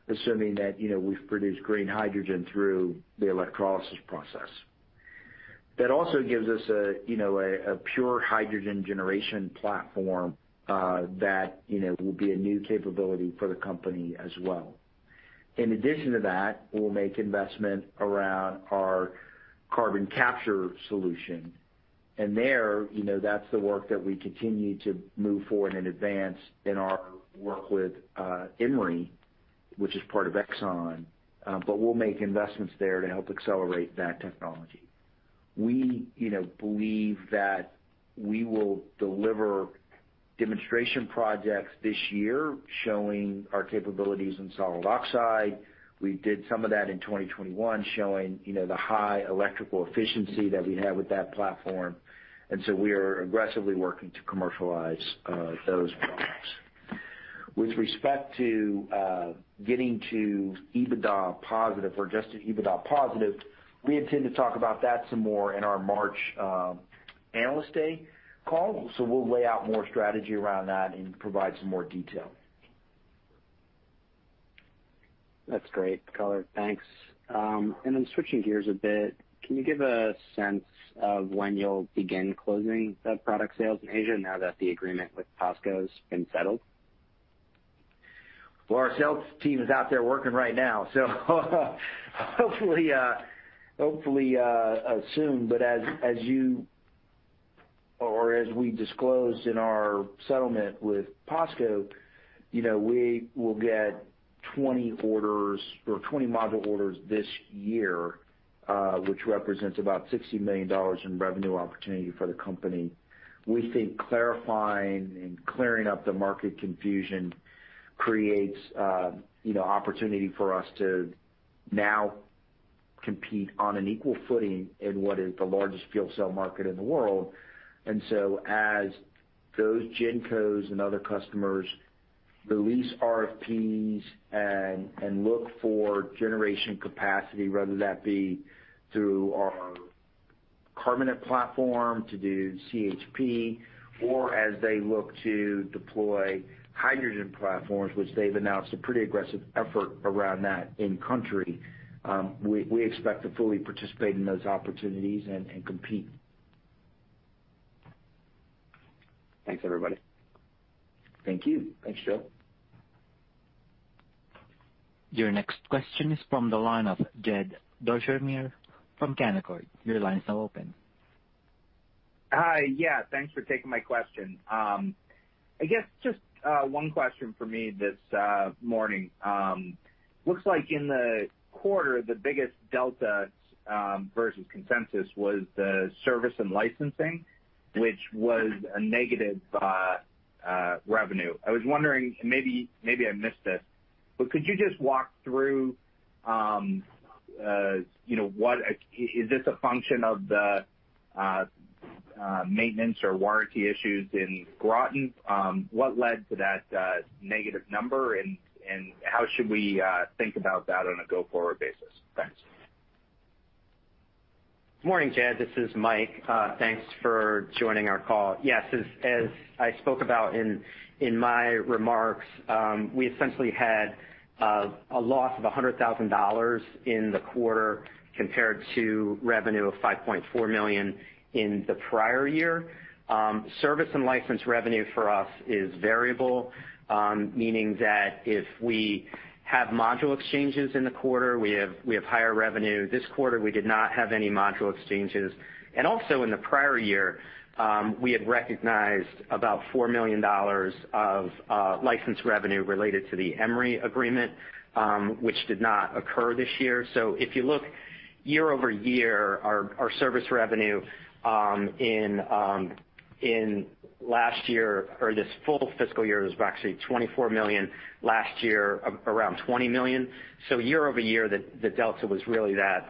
assuming that, you know, we've produced green hydrogen through the electrolysis process. That also gives us a you know a pure hydrogen generation platform that you know will be a new capability for the company as well. In addition to that, we'll make investment around our carbon capture solution. There you know that's the work that we continue to move forward and advance in our work with EMRE which is part of ExxonMobil but we'll make investments there to help accelerate that technology. We you know believe that we will deliver demonstration projects this year showing our capabilities in solid oxide. We did some of that in 2021 showing you know the high electrical efficiency that we have with that platform. We are aggressively working to commercialize those products. With respect to getting to EBITDA positive, we intend to talk about that some more in our March analyst day call. We'll lay out more strategy around that and provide some more detail. That's great, Colin Rusch. Thanks. Switching gears a bit, can you give a sense of when you'll begin closing the product sales in Asia now that the agreement with POSCO has been settled? Well, our sales team is out there working right now, so hopefully soon. But as we disclosed in our settlement with POSCO, you know, we will get 20 orders or 20 module orders this year, which represents about $60 million in revenue opportunity for the company. We think clarifying and clearing up the market confusion creates, you know, opportunity for us to now compete on an equal footing in what is the largest fuel cell market in the world. As those GenCos and other customers release RFPs and look for generation capacity, whether that be through our carbonate platform to do CHP or as they look to deploy hydrogen platforms, which they've announced a pretty aggressive effort around that in country, we expect to fully participate in those opportunities and compete. Thanks, everybody. Thank you. Thanks, Joe. Your next question is from the line of Jed Dorsheimer from Canaccord. Your line is now open. Hi. Yeah, thanks for taking my question. I guess just one question for me this morning. Looks like in the quarter, the biggest delta versus consensus was the service and licensing, which was a negative revenue. I was wondering, maybe I missed it, but could you just walk through what is this a function of the maintenance or warranty issues in Groton? What led to that negative number and how should we think about that on a go-forward basis? Thanks. Morning, Jed. This is Mike. Thanks for joining our call. Yes, as I spoke about in my remarks, we essentially had a loss of $100,000 in the quarter compared to revenue of $5.4 million in the prior year. Service and license revenue for us is variable, meaning that if we have module exchanges in the quarter, we have higher revenue. This quarter, we did not have any module exchanges. In the prior year, we had recognized about $4 million of license revenue related to the EMRE agreement, which did not occur this year. If you look year-over-year, our service revenue in last year or this full fiscal year was actually $24 million, last year around $20 million. Year over year, the delta was really that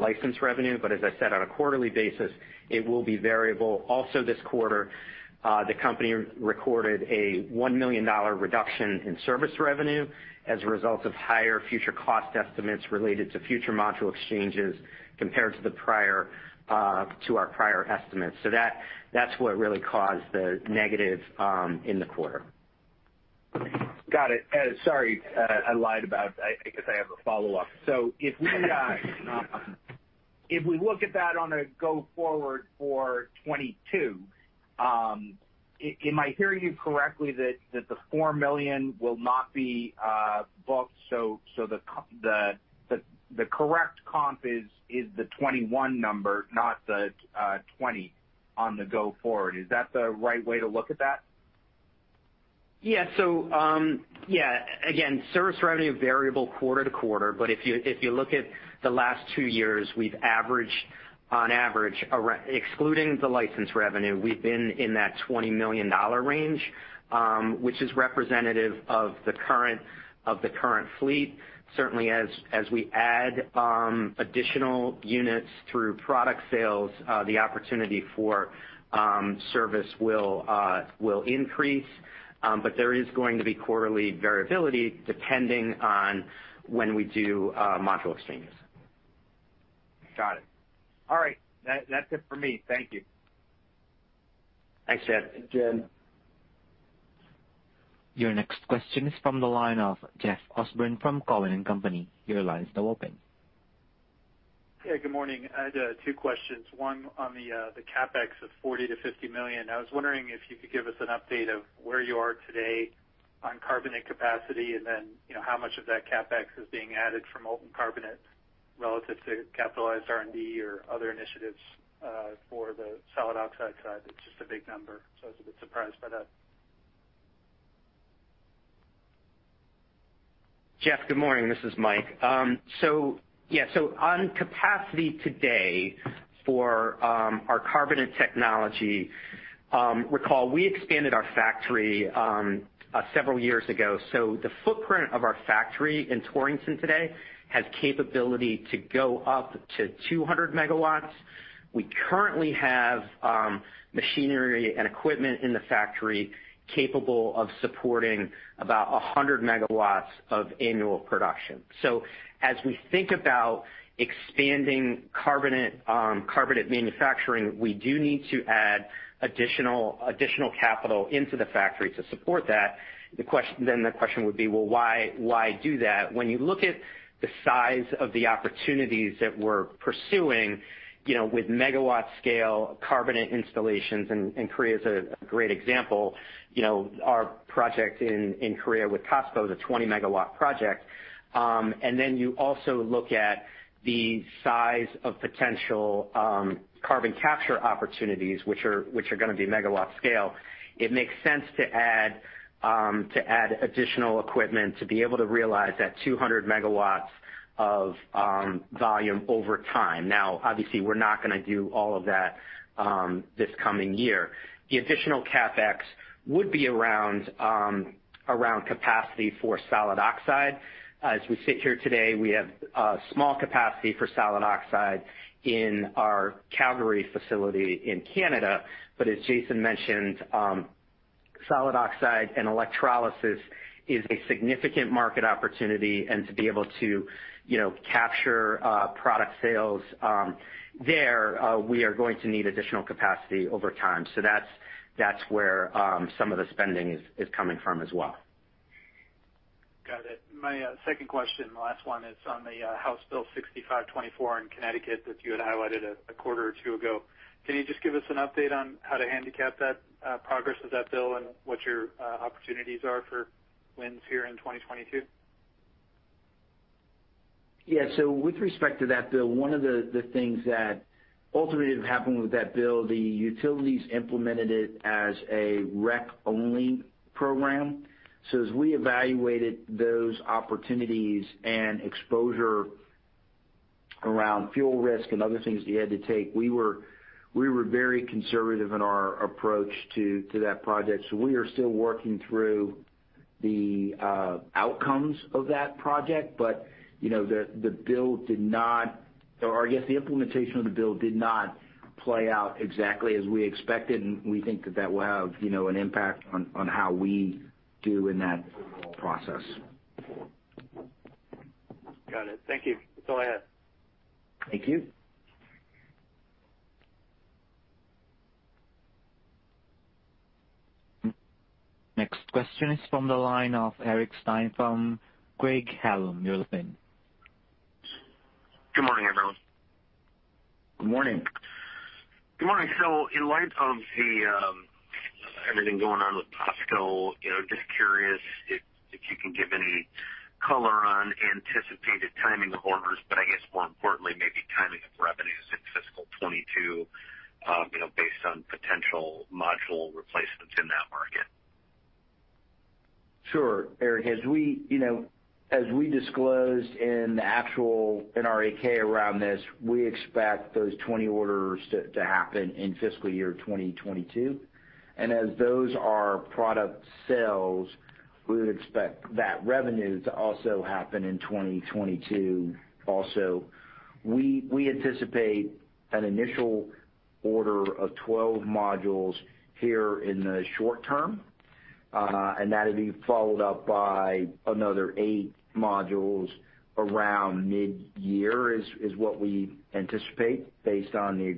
license revenue. As I said, on a quarterly basis, it will be variable. Also, this quarter, the company recorded a $1 million reduction in service revenue as a result of higher future cost estimates related to future module exchanges compared to our prior estimates. That's what really caused the negative in the quarter. Got it. Sorry, I guess I have a follow-up. If we look at that on a go forward for 2022, am I hearing you correctly that the $4 million will not be booked, so the correct comp is the 2021 number, not the 2020 on the go forward? Is that the right way to look at that? Yeah. Again, service revenue variable quarter-to-quarter, but if you look at the last two years, we've averaged on average excluding the license revenue, we've been in that $20 million range, which is representative of the current fleet. Certainly as we add additional units through product sales, the opportunity for service will increase, but there is going to be quarterly variability depending on when we do module exchanges. Got it. All right. That's it for me. Thank you. Thanks, Jed. Thanks, Jed. Your next question is from the line of Jeffrey Osborne from Cowen and Company. Your line is now open. Yeah, good morning. I had two questions, one on the CapEx of $40 million-$50 million. I was wondering if you could give us an update on where you are today on carbonate capacity, and then, you know, how much of that CapEx is being added from molten carbonate relative to capitalized R&D or other initiatives for the solid oxide side. It's just a big number, so I was a bit surprised by that. Jeff, good morning. This is Mike. On capacity today for our carbonate technology, recall we expanded our factory several years ago. The footprint of our factory in Torrington today has capability to go up to 200 MW. We currently have machinery and equipment in the factory capable of supporting about 100 MW of annual production. As we think about expanding carbonate manufacturing, we do need to add additional capital into the factory to support that. Then the question would be, well, why do that? When you look at the size of the opportunities that we're pursuing, you know, with megawatt scale carbonate installations, and Korea is a great example. You know, our project in Korea with POSCO is a 20-MW project. You also look at the size of potential carbon capture opportunities, which are gonna be megawatt scale. It makes sense to add additional equipment to be able to realize that 200 megawatts of volume over time. Now, obviously, we're not gonna do all of that this coming year. The additional CapEx would be around capacity for solid oxide. As we sit here today, we have small capacity for solid oxide in our Calgary facility in Canada. As Jason mentioned, solid oxide and electrolysis is a significant market opportunity. To be able to, you know, capture product sales there, we are going to need additional capacity over time. That's where some of the spending is coming from as well. Got it. My second question, the last one, is on the House Bill 6524 in Connecticut that you had highlighted a quarter or two ago. Can you just give us an update on how to handicap that progress of that bill and what your opportunities are for wins here in 2022? Yeah. With respect to that bill, one of the things that ultimately happened with that bill, the utilities implemented it as a REC-only program. As we evaluated those opportunities and exposure around fuel risk and other things you had to take, we were very conservative in our approach to that project. We are still working through the outcomes of that project. You know, the bill did not, or I guess the implementation of the bill did not play out exactly as we expected, and we think that will have an impact on how we do in that process. Got it. Thank you. That's all I had. Thank you. Next question is from the line of Eric Stine from Craig-Hallum. You're open. Good morning, everyone. Good morning. Good morning. In light of everything going on with POSCO, you know, just curious if you can give any color on anticipated timing of orders. I guess more importantly, maybe timing of revenues in fiscal 2022, you know, based on potential module replacements in that market. Sure, Eric. As we, you know, disclosed in the actual 8-K around this, we expect those 20 orders to happen in fiscal year 2022. As those are product sales, we would expect that revenue to also happen in 2022 also. We anticipate an initial order of 12 modules here in the short term, and that'll be followed up by another eight modules around midyear, is what we anticipate based on the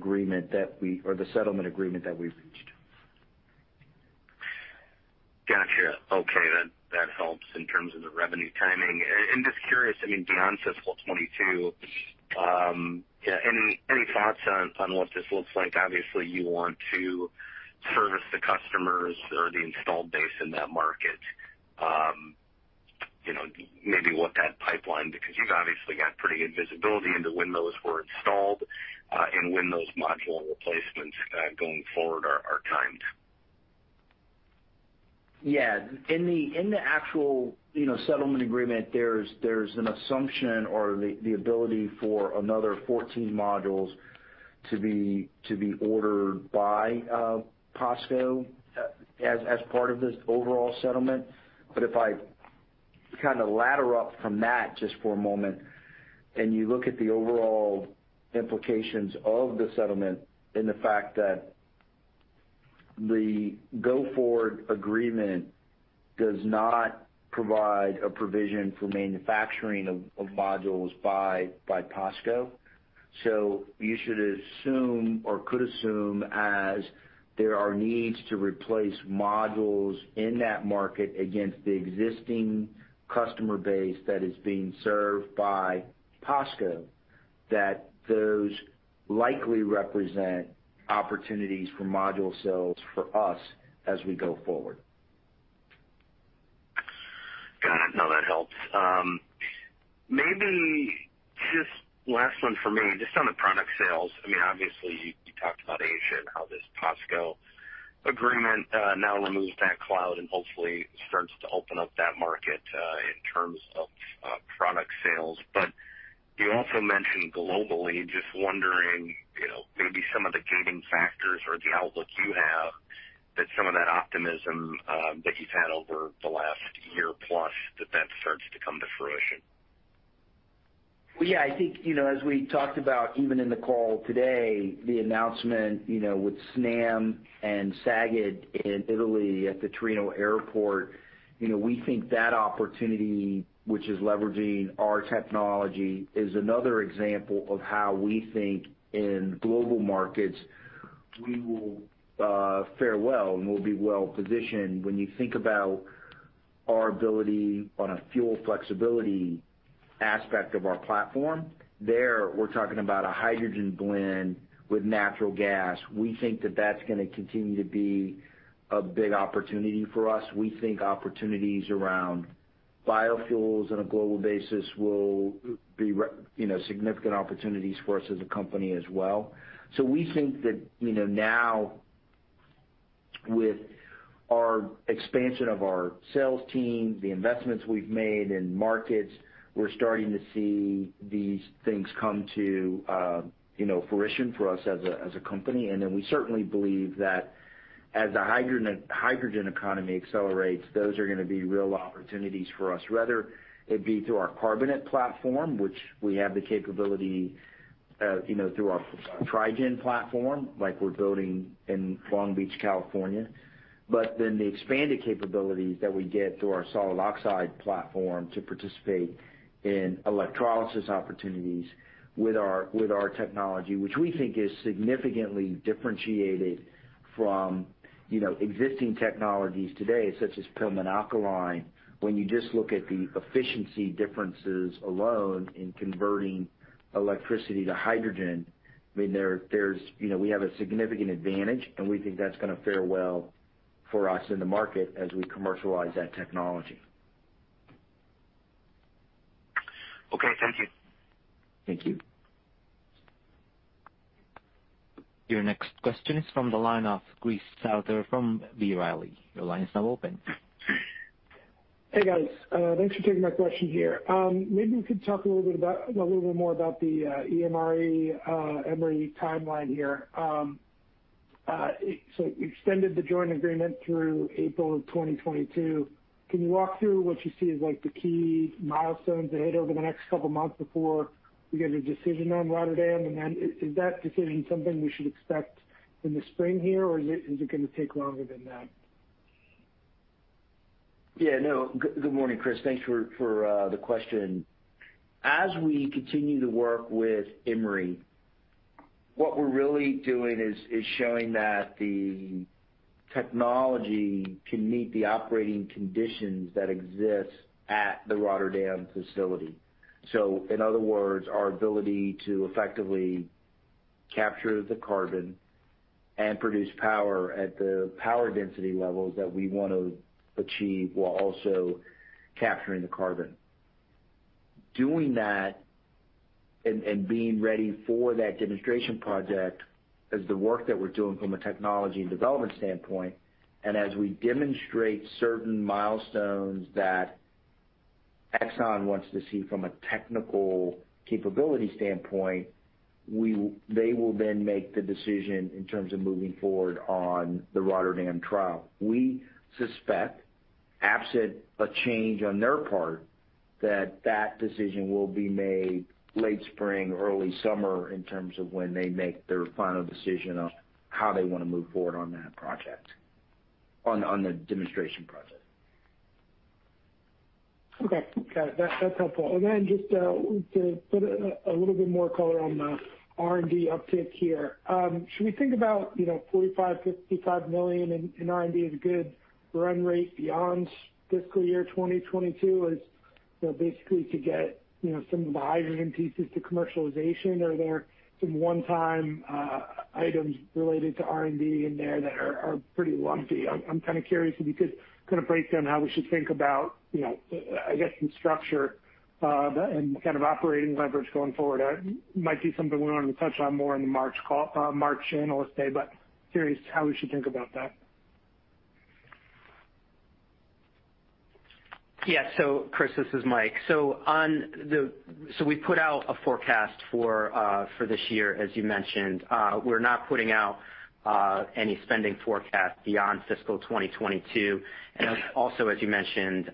settlement agreement that we've reached. Gotcha. Okay. That helps in terms of the revenue timing. Just curious, I mean, beyond fiscal 2022, any thoughts on what this looks like? Obviously, you want to service the customers or the installed base in that market. You know, maybe what that pipeline, because you've obviously got pretty good visibility into when those were installed, and when those module replacements going forward are timed. Yeah. In the actual, you know, settlement agreement, there's an assumption or the ability for another 14 modules to be ordered by POSCO as part of this overall settlement. If I kinda ladder up from that just for a moment, you look at the overall implications of the settlement and the fact that the go-forward agreement does not provide a provision for manufacturing of modules by POSCO. You should assume or could assume as there are needs to replace modules in that market against the existing customer base that is being served by POSCO, that those likely represent opportunities for module sales for us as we go forward. Got it. No, that helps. Last one for me, just on the product sales. I mean obviously you talked about Asia and how this POSCO agreement now removes that cloud and hopefully starts to open up that market in terms of product sales. You also mentioned globally, just wondering, you know, maybe some of the gating factors or the outlook you have that some of that optimism that you've had over the last year plus that starts to come to fruition. Yeah, I think, you know, as we talked about even in the call today, the announcement, you know, with Snam and SAGAT in Italy at the Torino Airport. You know, we think that opportunity, which is leveraging our technology, is another example of how we think in global markets we will fare well and we'll be well positioned. When you think about our ability on a fuel flexibility aspect of our platform, there, we're talking about a hydrogen blend with natural gas. We think that that's gonna continue to be a big opportunity for us. We think opportunities around biofuels on a global basis will be, you know, significant opportunities for us as a company as well. We think that, you know, now with our expansion of our sales team, the investments we've made in markets, we're starting to see these things come to, you know, fruition for us as a company. We certainly believe that as the hydrogen economy accelerates, those are gonna be real opportunities for us, whether it be through our carbonate platform, which we have the capability, you know, through our Tri-gen platform like we're building in Long Beach, California. The expanded capabilities that we get through our solid oxide platform to participate in electrolysis opportunities with our technology, which we think is significantly differentiated from, you know, existing technologies today such as PEM and alkaline. When you just look at the efficiency differences alone in converting electricity to hydrogen, I mean, there's you know, we have a significant advantage, and we think that's gonna fare well for us in the market as we commercialize that technology. Okay, thank you. Thank you. Your next question is from the line of Chris Souther from B. Riley. Your line is now open. Hey, guys. Thanks for taking my question here. Maybe you could talk a little bit about a little bit more about the EMRE timeline here. So you extended the joint agreement through April 2022. Can you walk through what you see as like the key milestones ahead over the next couple of months before we get a decision on Rotterdam? And then is that decision something we should expect in the spring here, or is it gonna take longer than that? Yeah, Good morning, Chris. Thanks for the question. As we continue to work with EMRE, what we're really doing is showing that the technology can meet the operating conditions that exist at the Rotterdam facility. So in other words, our ability to effectively capture the carbon and produce power at the power density levels that we want to achieve while also capturing the carbon. Doing that and being ready for that demonstration project is the work that we're doing from a technology and development standpoint. As we demonstrate certain milestones that ExxonMobil wants to see from a technical capability standpoint, they will then make the decision in terms of moving forward on the Rotterdam trial. We suspect, absent a change on their part, that that decision will be made late spring, early summer in terms of when they make their final decision on how they wanna move forward on that project, on the demonstration project. Okay. Got it. That's helpful. Then just to put a little bit more color on the R&D uptick here. Should we think about, you know, $45-$55 million in R&D as a good run rate beyond fiscal year 2022 as, you know, basically to get, you know, some of the hydrogen pieces to commercialization? Are there some one-time items related to R&D in there that are pretty lumpy? I'm kind of curious if you could kind of break down how we should think about, you know, I guess in structure and kind of operating leverage going forward. Might be something we wanted to touch on more in the March Analyst Day, but curious how we should think about that. Yeah. Chris, this is Mike. We put out a forecast for this year, as you mentioned. We're not putting out any spending forecast beyond fiscal 2022. As you mentioned,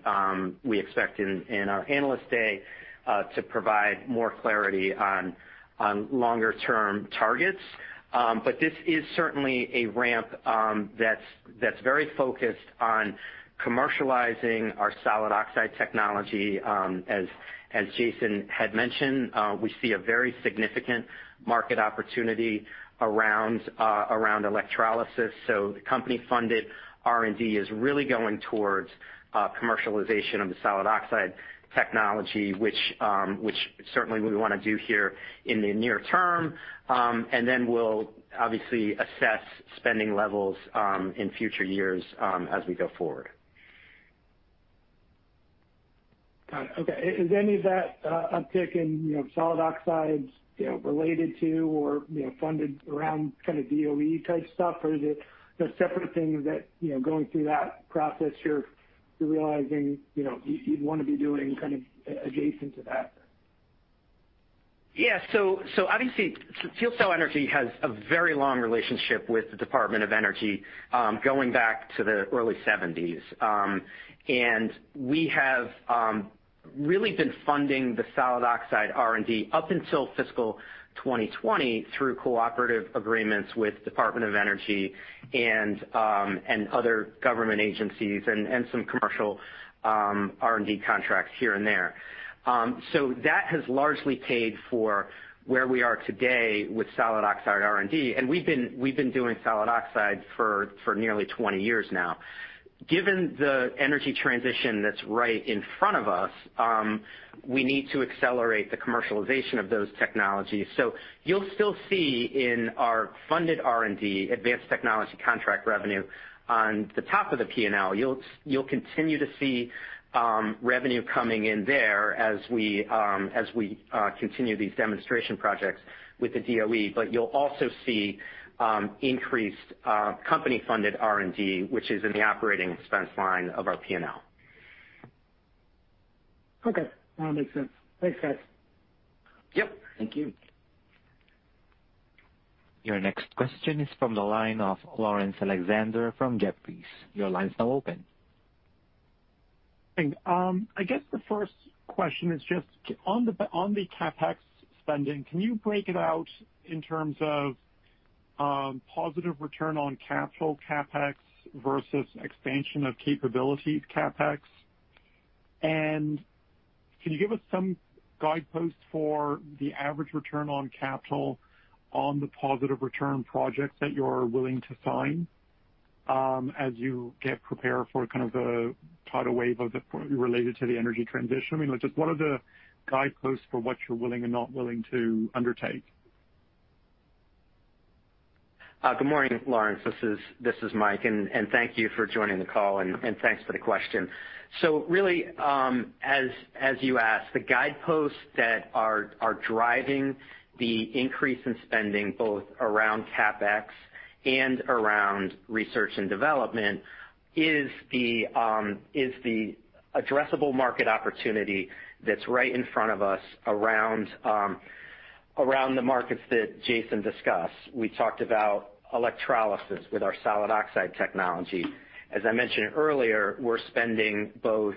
we expect in our Analyst Day to provide more clarity on longer term targets. This is certainly a ramp that's very focused on commercializing our solid oxide technology. As Jason had mentioned, we see a very significant market opportunity around electrolysis. The company-funded R&D is really going towards commercialization of the solid oxide technology, which certainly we wanna do here in the near term. We'll obviously assess spending levels in future years as we go forward. Got it. Okay, is any of that uptick in, you know, solid oxides, you know, related to or, you know, funded around kind of DOE-type stuff? Or is it the separate things that, you know, going through that process you're realizing, you know, you'd wanna be doing kind of adjacent to that? Yeah. Obviously, FuelCell Energy has a very long relationship with the Department of Energy, going back to the early 1970s. We have really been funding the solid oxide R&D up until fiscal 2020 through cooperative agreements with Department of Energy and other government agencies and some commercial R&D contracts here and there. That has largely paid for where we are today with solid oxide R&D, and we've been doing solid oxide for nearly 20 years now. Given the energy transition that's right in front of us, we need to accelerate the commercialization of those technologies. You'll still see in our funded R&D advanced technology contract revenue on the top of the P&L. You'll continue to see revenue coming in there as we continue these demonstration projects with the DOE. You'll also see increased company-funded R&D, which is in the operating expense line of our P&L. Okay. Makes sense. Thanks, guys. Yep. Thank you. Your next question is from the line of Laurence Alexander from Jefferies. Your line's now open. Hey, I guess the first question is just on the CapEx spending. Can you break it out in terms of positive return on capital CapEx versus expansion of capability CapEx? Can you give us some guideposts for the average return on capital on the positive return projects that you're willing to sign, as you get prepared for kind of the tidal wave of the related to the energy transition? I mean, like, just what are the guideposts for what you're willing and not willing to undertake? Good morning, Laurence. This is Mike, and thank you for joining the call, and thanks for the question. Really, as you asked, the guideposts that are driving the increase in spending, both around CapEx and around research and development is the addressable market opportunity that's right in front of us around the markets that Jason discussed. We talked about electrolysis with our solid oxide technology. As I mentioned earlier, we're spending both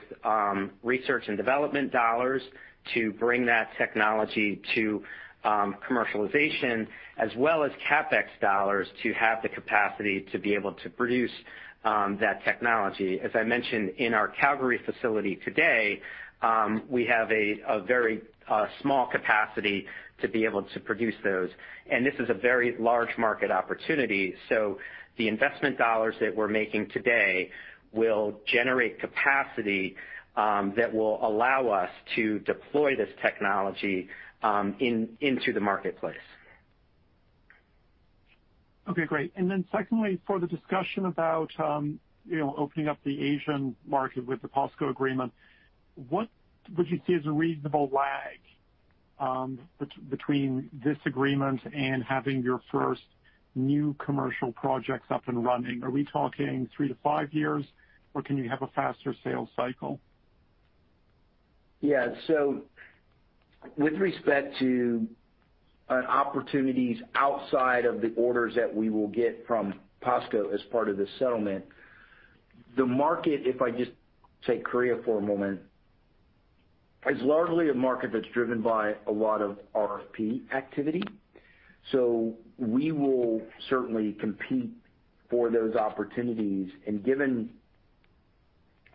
research and development dollars to bring that technology to commercialization as well as CapEx dollars to have the capacity to be able to produce that technology. As I mentioned in our Calgary facility today, we have a very small capacity to be able to produce those, and this is a very large market opportunity. The investment dollars that we're making today will generate capacity that will allow us to deploy this technology into the marketplace. Okay. Great. Secondly, for the discussion about, you know, opening up the Asian market with the POSCO agreement, what would you see as a reasonable lag, between this agreement and having your first new commercial projects up and running? Are we talking three-five years, or can you have a faster sales cycle? Yeah. With respect to opportunities outside of the orders that we will get from POSCO as part of the settlement, the market, if I just take Korea for a moment, is largely a market that's driven by a lot of RFP activity. We will certainly compete for those opportunities. Given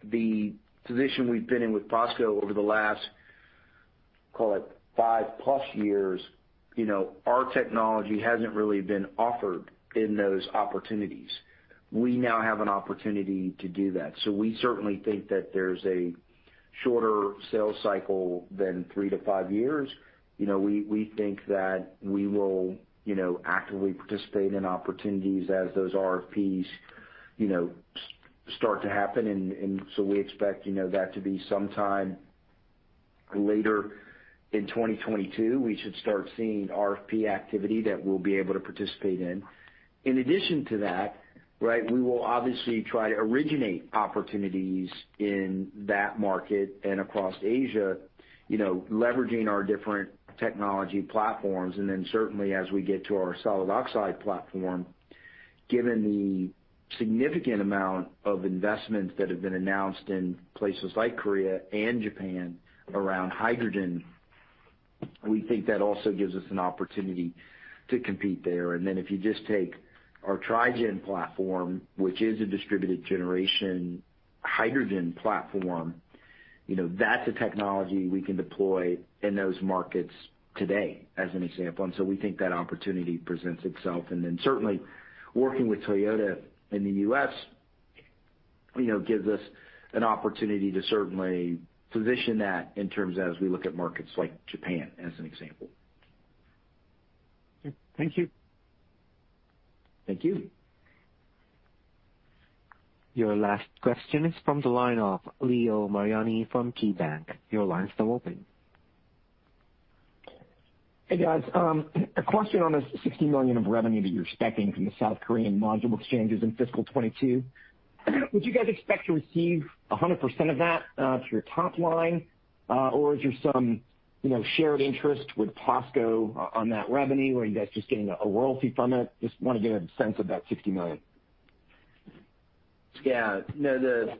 the position we've been in with POSCO over the last, call it five-plus years, you know, our technology hasn't really been offered in those opportunities. We now have an opportunity to do that. We certainly think that there's a shorter sales cycle than three to five years. You know, we think that we will, you know, actively participate in opportunities as those RFPs, you know, start to happen. we expect, you know, that to be sometime later in 2022, we should start seeing RFP activity that we'll be able to participate in. In addition to that, right, we will obviously try to originate opportunities in that market and across Asia, you know, leveraging our different technology platforms. Certainly as we get to our solid oxide platform, given the significant amount of investments that have been announced in places like Korea and Japan around hydrogen, we think that also gives us an opportunity to compete there. If you just take our Tri-gen platform, which is a distributed generation hydrogen platform, you know, that's a technology we can deploy in those markets today as an example. We think that opportunity presents itself. Certainly working with Toyota in the U.S., you know, gives us an opportunity to certainly position that in terms as we look at markets like Japan, as an example. Thank you. Thank you. Your last question is from the line of Leo Mariani from KeyBanc. Your line's still open. Hey, guys. A question on the $60 million of revenue that you're expecting from the South Korean module exchanges in FY 2022. Would you guys expect to receive 100% of that through your top line? Or is there some, you know, shared interest with POSCO on that revenue? Are you guys just getting a royalty from it? Just wanna get a sense of that $60 million. Yeah. No, the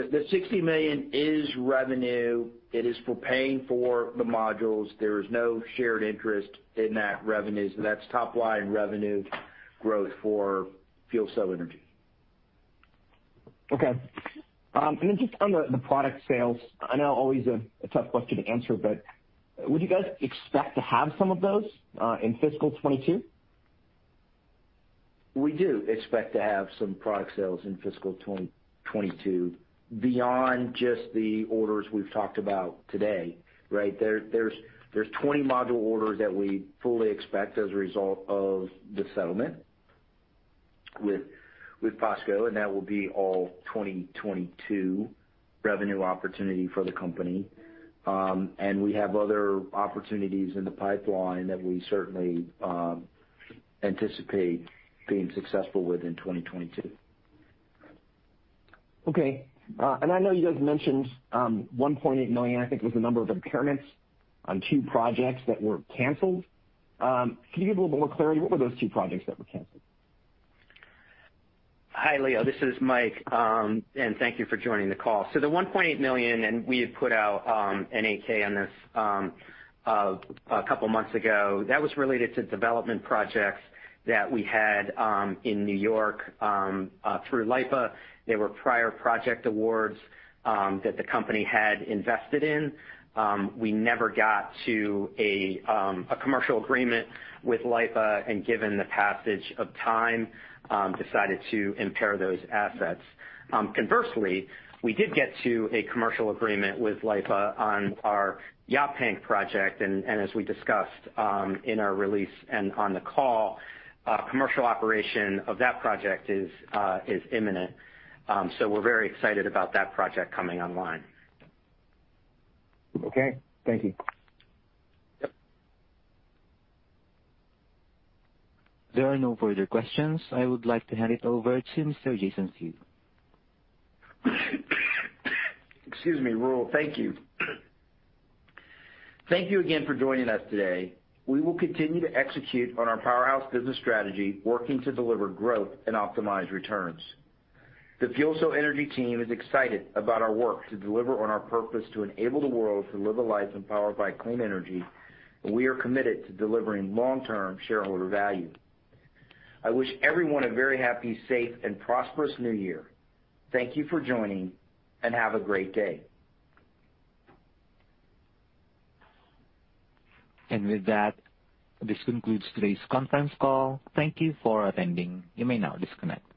$60 million is revenue. It is for paying for the modules. There is no shared interest in that revenue, so that's top line revenue growth for FuelCell Energy. Okay. Just on the product sales, I know always a tough question to answer, but would you guys expect to have some of those in fiscal 2022? We do expect to have some product sales in fiscal 2022 beyond just the orders we've talked about today, right? There are 20 module orders that we fully expect as a result of the settlement with POSCO, and that will be all 2022 revenue opportunity for the company. We have other opportunities in the pipeline that we certainly anticipate being successful with in 2022. Okay. I know you guys mentioned $1.8 million, I think, was the number of impairments on two projects that were canceled. Can you give a little more clarity? What were those two projects that were canceled? Hi, Leo, this is Mike. Thank you for joining the call. The $1.8 million, and we had put out an 8-K on this a couple months ago, that was related to development projects that we had in New York through LIPA. They were prior project awards that the company had invested in. We never got to a commercial agreement with LIPA, and given the passage of time, decided to impair those assets. Conversely, we did get to a commercial agreement with LIPA on our Yaphank project, and as we discussed in our release and on the call, commercial operation of that project is imminent. We're very excited about that project coming online. Okay. Thank you. Yep. There are no further questions. I would like to hand it over to Mr. Jason Few. Excuse me, Ralph. Thank you. Thank you again for joining us today. We will continue to execute on our powerhouse business strategy, working to deliver growth and optimize returns. The FuelCell Energy team is excited about our work to deliver on our purpose to enable the world to live a life empowered by clean energy, and we are committed to delivering long-term shareholder value. I wish everyone a very happy, safe, and prosperous new year. Thank you for joining, and have a great day. With that, this concludes today's conference call. Thank you for attending. You may now disconnect.